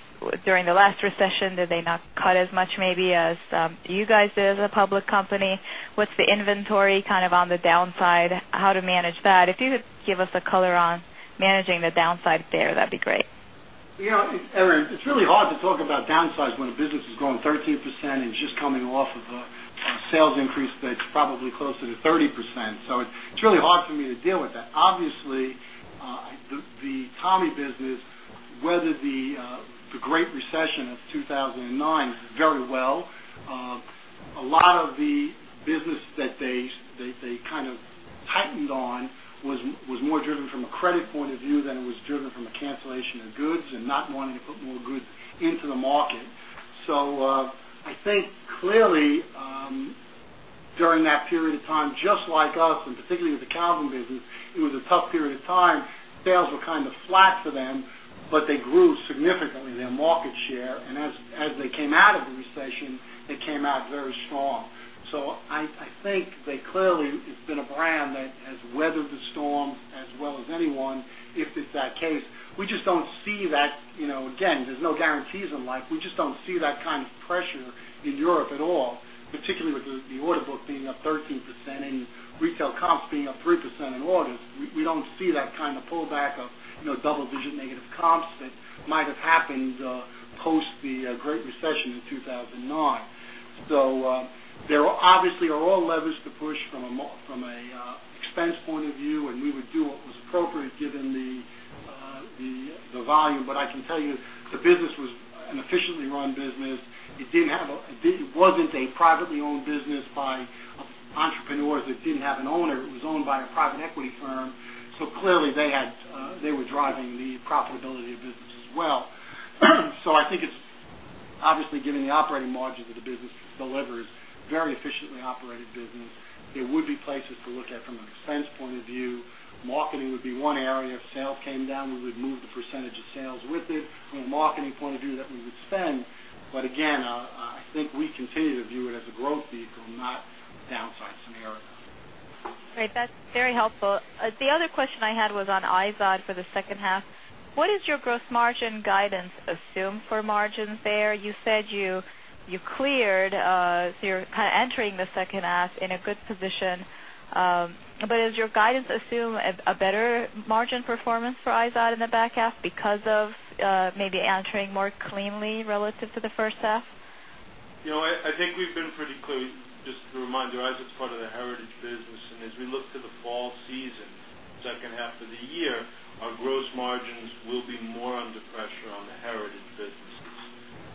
Speaker 10: during the last recession, did they not cut as much maybe as you guys did as a public company? What's the inventory kind of on the downside? How to manage that? If you could give us the color on managing the downside there, that'd be great.
Speaker 2: You know, Evren, it's really hard to talk about downsides when a business is growing 13% and is just coming off of a sales increase that's probably closer to 30%. It's really hard for me to deal with that. Obviously, the Tommy business, whether the Great Recession of 2009 did very well, a lot of the business that they kind of tightened on was more driven from a credit point of view than it was driven from a cancellation of goods and not wanting to put more goods into the market. I think clearly during that period of time, just like us, and particularly with the Calvin business, it was a tough period of time. Sales were kind of flat for them, but they grew significantly in their market share. As they came out of the recession, they came out very strong. I think they clearly have been a brand that has weathered the storms as well as anyone, if it's that case. We just don't see that, you know, again, there's no guarantees on life. We just don't see that kind of pressure in Europe at all, particularly with the order book being up 13% and retail comps being up 3% in August. We don't see that kind of pullback of double-digit negative comps that might have happened post the Great Recession in 2009. There obviously are levers to push from an expense point of view, and we would do what was appropriate given the volume. I can tell you the business was an efficiently run business. It didn't have a, it wasn't a privately owned business by entrepreneurs. It didn't have an owner. It was owned by a private equity firm. Clearly, they were driving the profitability of business as well. I think it's obviously given the operating margin that the business delivered, very efficiently operated business, there would be places to look at from an expense point of view. Marketing would be one area. If sales came down, we would move the percentage of sales with it from a marketing point of view that we would spend. Again, I think we continue to view it as a growth vehicle, not a downside scenario.
Speaker 10: Great. That's very helpful. The other question I had was on IZOD for the second half. What is your gross margin guidance assume for margins there? You said you cleared, so you're kind of entering the second half in a good position. Is your guidance assume a better margin performance for IZOD in the back half because of maybe entering more cleanly relative to the first half? You know.
Speaker 3: I think we've been pretty clear, just to remind you, IZOD's part of the Heritage business. As we look to the fall season, the second half of the year, our gross margins will be more under pressure on the Heritage businesses.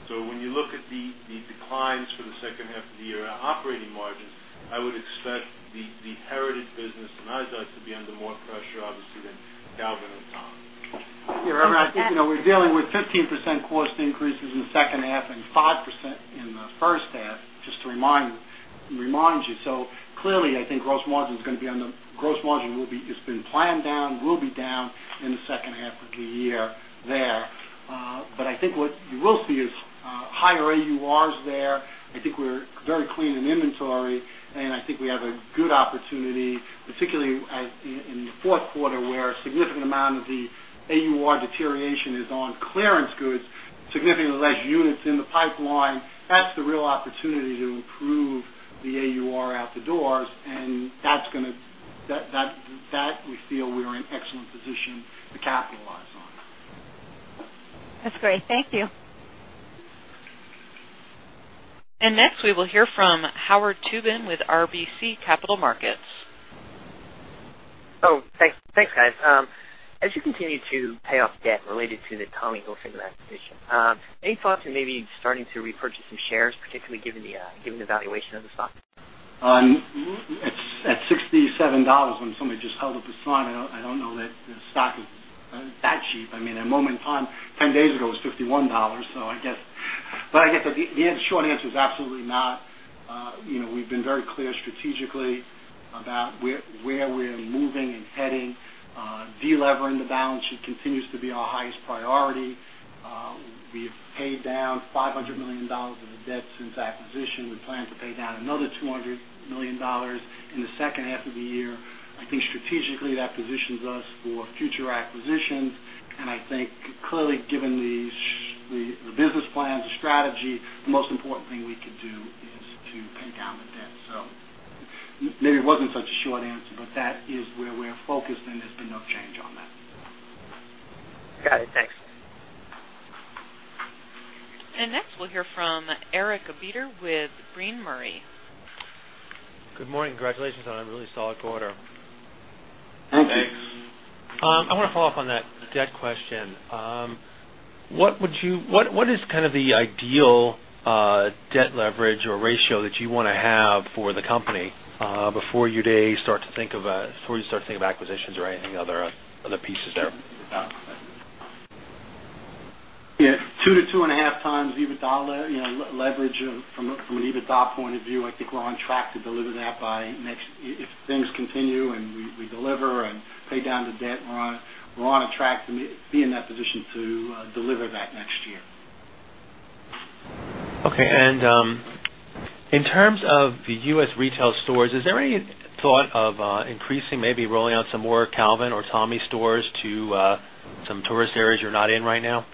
Speaker 3: When you look at the declines for the second half of the year in operating margins, I would expect the Heritage business and IZOD to be under more pressure, obviously, than Calvin or Tommy.
Speaker 2: Yeah, Evren, I think you know we're dealing with 15% cost increases in the second half and 5% in the first half, just to remind you. Clearly, I think gross margin is going to be, it's been planned down, will be down in the second half of the year. I think what you will see is higher AURs there. I think we're very clean in inventory, and I think we have a good opportunity, particularly in the fourth quarter, where a significant amount of the AUR deterioration is on clearance goods, significantly less units in the pipeline. That's the real opportunity to improve the AUR out the doors. That's going to, that we feel we're in an excellent position to capitalize on.
Speaker 10: That's great. Thank you.
Speaker 1: Next, we will hear from Howard Tubin with RBC Capital Markets.
Speaker 11: Thanks, guys. As you continue to pay off debt related to the Tommy Hilfiger acquisition, any thoughts on maybe starting to repurchase some shares, particularly given the valuation of the stock?
Speaker 2: At $67 when somebody just held up a sign, I don't know that the stock is that cheap. I mean, at a moment in time, 10 days ago, it was $51. I guess the short answer is absolutely not. We've been very clear strategically about where we're moving and heading. Delevering the balance sheet continues to be our highest priority. We've paid down $500 million of the debt since acquisition. We plan to pay down another $200 million in the second half of the year. I think strategically, that positions us for future acquisitions. I think clearly, given the business plans and strategy, the most important thing we could do is to pay down the debt. Maybe it wasn't such a short answer, but that is where we're focused, and there's been no change on that.
Speaker 11: Got it. Thanks.
Speaker 1: Next, we'll hear from [Eric Beater] with [Green Murray]. Good morning. Congratulations on a really solid quarter.
Speaker 2: Thank you.
Speaker 3: Thanks. I want to follow up on that debt question. What is kind of the ideal debt leverage or ratio that you want to have for the company before you start to think of acquisitions or anything other pieces there?
Speaker 2: Yeah, 2x-2.5x EBITDA leverage from an EBITDA point of view. I think we're on track to deliver that by next year. If things continue and we deliver and pay down the debt, we're on a track to be in that position to deliver that next year. Okay. In terms of the U.S. retail stores, is there any thought of increasing, maybe rolling out some more Calvin or Tommy stores to some tourist areas you're not in right now?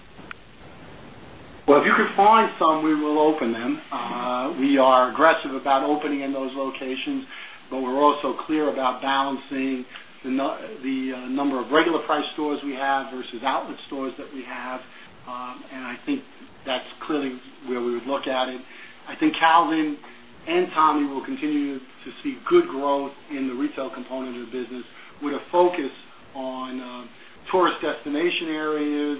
Speaker 2: If you can find some, we will open them. We are aggressive about opening in those locations, but we're also clear about balancing the number of regular-priced stores we have versus outlet stores that we have. I think that's clearly where we would look at it. I think Calvin and Tommy will continue to see good growth in the retail component of the business with a focus on tourist destination areas,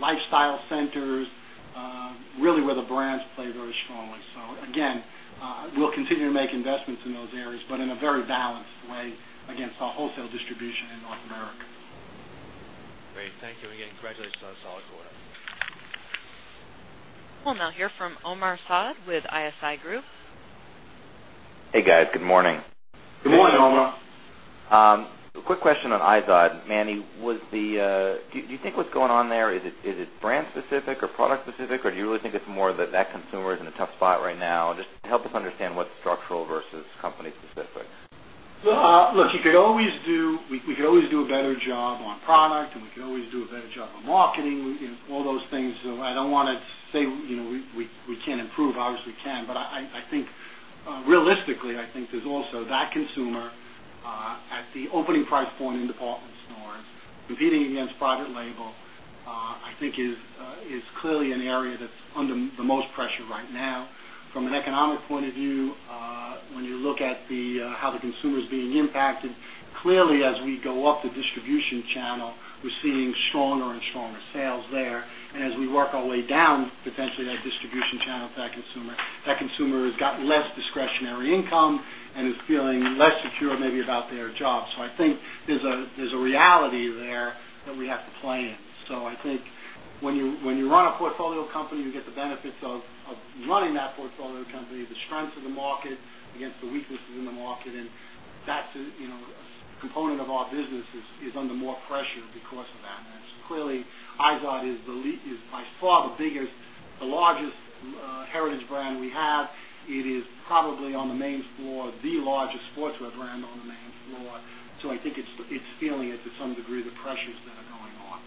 Speaker 2: lifestyle centers, really where the brands play very strongly. We will continue to make investments in those areas, but in a very balanced way against our wholesale distribution in North America. Great. Thank you again. Congratulations on a solid quarter.
Speaker 1: will now hear from Omar Saad with ISI Group.
Speaker 12: Hey, guys. Good morning.
Speaker 2: Good morning, Omar.
Speaker 12: A quick question on IZOD. Manny, do you think what's going on there, is it brand-specific or product-specific, or do you really think it's more that that consumer is in a tough spot right now? Just help us understand what's structural versus company-specific.
Speaker 2: Look, you could always do, we could always do a better job on product, and we could always do a better job on marketing, all those things. I don't want to say, you know, we can't improve. Obviously, we can. I think realistically, there's also that consumer at the opening price point in department stores, competing against private label, which is clearly an area that's under the most pressure right now. From an economic point of view, when you look at how the consumer is being impacted, clearly, as we go up the distribution channel, we're seeing stronger and stronger sales there. As we work our way down, potentially, that distribution channel to that consumer, that consumer has got less discretionary income and is feeling less secure maybe about their job. I think there's a reality there that we have to play in. When you run a portfolio company, you get the benefits of running that portfolio company, the strengths of the market against the weaknesses in the market. That's a component of our business that is under more pressure because of that. Clearly, IZOD is by far the biggest, the largest Heritage brand we have. It is probably on the main floor, the largest sportswear brand on the main floor. I think it's feeling to some degree the pressures that are going on.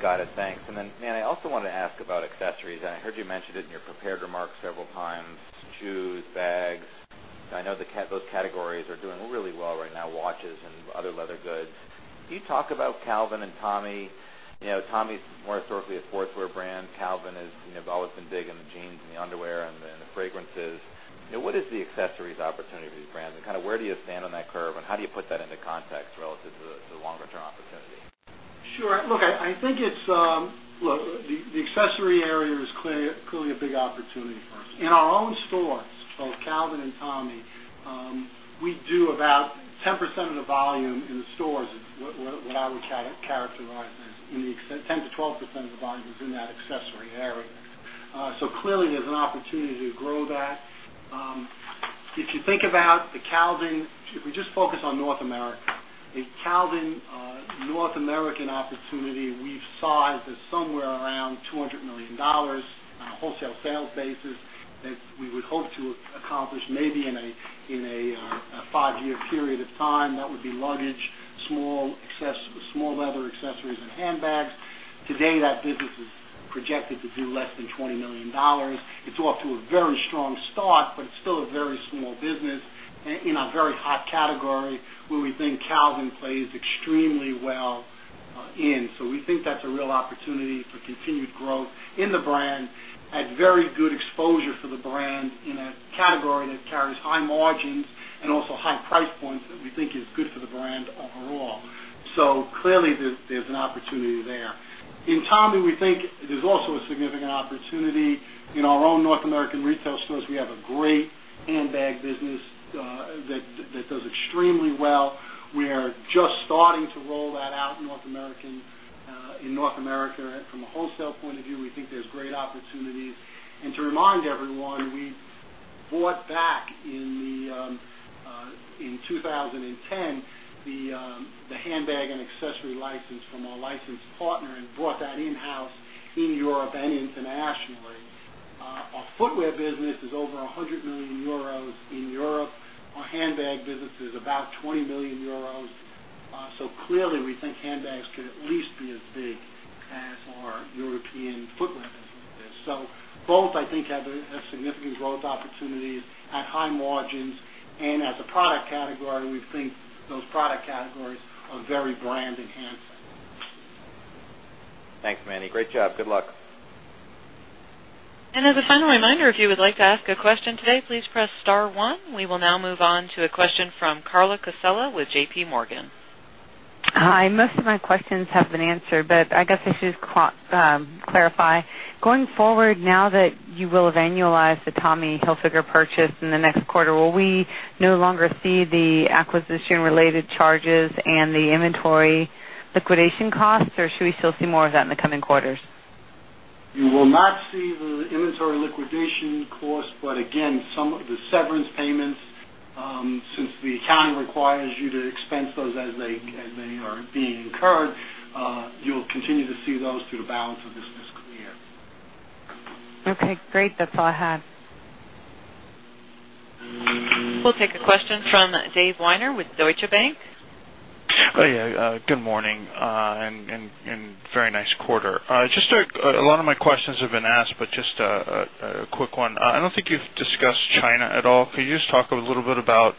Speaker 12: Got it. Thanks. Manny, I also wanted to ask about accessories. I heard you mention it in your prepared remarks several times, shoes, bags. I know those categories are doing really well right now, watches and other leather goods. Can you talk about Calvin and Tommy? Tommy's more historically a sportswear brand. Calvin has always been big in the jeans and the underwear and the fragrances. What is the accessories opportunity for these brands? Where do you stand on that curve? How do you put that into context relative to the longer-term opportunity?
Speaker 2: Sure. Look, I think it's, look, the accessory area is clearly a big opportunity. In our own stores, both Calvin and Tommy, we do about 10% of the volume in the stores, what I would characterize as in the 10%-12% of the volume is in that accessory area. Clearly, there's an opportunity to grow that. If you think about the Calvin, if we just focus on North America, a Calvin North American opportunity, we've sized it somewhere around $200 million on a wholesale sales basis that we would hope to accomplish maybe in a five-year period of time. That would be luggage, small leather accessories, and handbags. Today, that business is projected to do less than $20 million. It's off to a very strong start, but it's still a very small business in a very hot category where we think Calvin plays extremely well in. We think that's a real opportunity for continued growth in the brand at very good exposure for the brand in a category that carries high margins and also high price points that we think is good for the brand overall. Clearly, there's an opportunity there. In Tommy, we think there's also a significant opportunity. In our own North American retail stores, we have a great handbag business that does extremely well. We are just starting to roll that out in North America. From a wholesale point of view, we think there's great opportunities. To remind everyone, we've bought back in 2010 the handbag and accessory license from our licensed partner and brought that in-house in Europe and internationally. Our footwear business is over 100 million euros in Europe. Our handbag business is about 20 million euros. Clearly, we think handbags could at least be as big as our European footwear business is. Both, I think, have a significant growth opportunity at high margins. As a product category, we think those product categories are very brand-enhancing.
Speaker 12: Thanks, Manny. Great job. Good luck.
Speaker 1: As a final reminder, if you would like to ask a question today, please press star one. We will now move on to a question from Carla Casella with JPMorgan.
Speaker 13: Hi. Most of my questions have been answered, but I guess I should clarify. Going forward, now that you will have annualized the Tommy Hilfiger purchase in the next quarter, will we no longer see the acquisition-related charges and the inventory liquidation costs, or should we still see more of that in the coming quarters?
Speaker 2: You will not see the inventory liquidation costs, but again, some of the severance payments, since the accounting requires you to expense those as they are being incurred, you'll continue to see those through the balance of this year.
Speaker 13: Okay. Great. That's all I had.
Speaker 1: We'll take a question from Dave Weiner with Deutsche Bank.
Speaker 14: Oh, yeah. Good morning, and very nice quarter. Just a lot of my questions have been asked, but just a quick one. I don't think you've discussed China at all. Could you just talk a little bit about,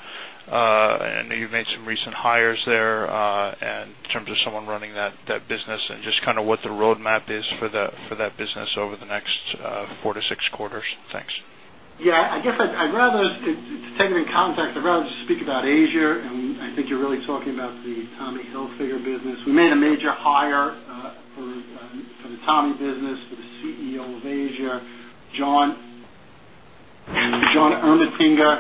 Speaker 14: I know you've made some recent hires there, and in terms of someone running that business and just kind of what the roadmap is for that business over the next four to six quarters? Thanks.
Speaker 2: Yeah. I guess I'd rather, to take it in context, I'd rather just speak about Asia. I think you're really talking about the Tommy Hilfiger business. We made a major hire for the Tommy business for the CEO of Asia, John Ermatinger.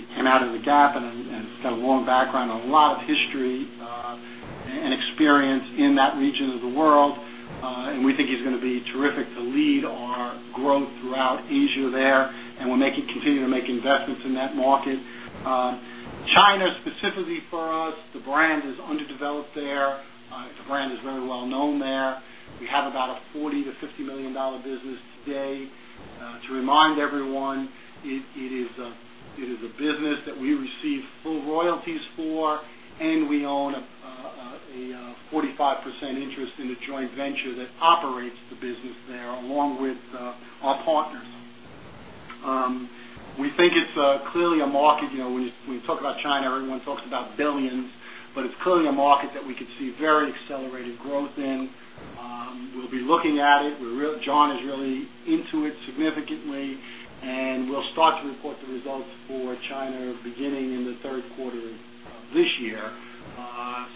Speaker 2: He came out of the GAP and has got a long background, a lot of history, and experience in that region of the world. We think he's going to be terrific to lead our growth throughout Asia there. We'll continue to make investments in that market. China, specifically for us, the brand is underdeveloped there. The brand is very well known there. We have about a $40 million-$50 million business today. To remind everyone, it is a business that we receive full royalties for, and we own a 45% interest in the joint venture that operates the business there along with our partners. We think it's clearly a market. You know, when you talk about China, everyone talks about billions, but it's clearly a market that we could see very accelerated growth in. We'll be looking at it. John is really into it significantly. We'll start to report the results for China beginning in the third quarter of this year.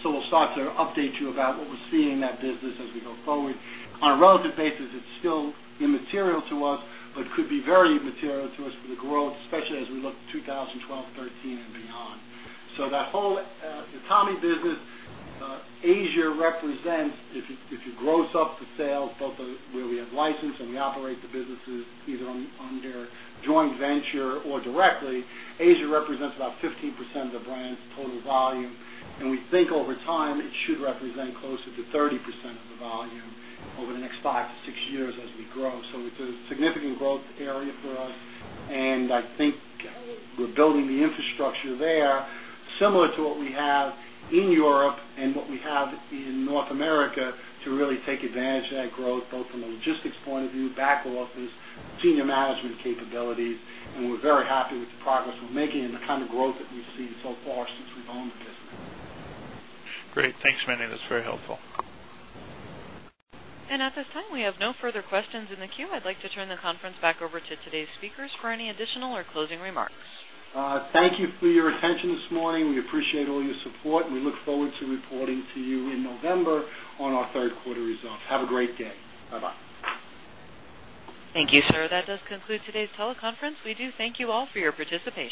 Speaker 2: We'll start to update you about what we're seeing in that business as we go forward. On a relative basis, it's still immaterial to us, but could be very material to us for the growth, especially as we look to 2012, 2013, and beyond. That whole, the Tommy business, Asia represents, if you gross up the sales, both where we have licensed and we operate the businesses either on their joint venture or directly, Asia represents about 15% of the brand's total volume. We think over time, it should represent closer to 30% of the volume over the next five to six years as we grow. It's a significant growth area for us. I think we're building the infrastructure there similar to what we have in Europe and what we have in North America to really take advantage of that growth, both from a logistics point of view, back office, senior management capabilities. We're very happy with the progress we're making and the kind of growth that. So far since we've [owned the business].
Speaker 14: Great. Thanks, Manny. That's very helpful.
Speaker 1: At this time, we have no further questions in the queue. I'd like to turn the conference back over to today's speakers for any additional or closing remarks.
Speaker 2: Thank you for your attention this morning. We appreciate all your support, and we look forward to reporting to you in November on our third-quarter results. Have a great day. Bye-bye.
Speaker 1: Thank you, sir. That does conclude today's teleconference. We do thank you all for your participation.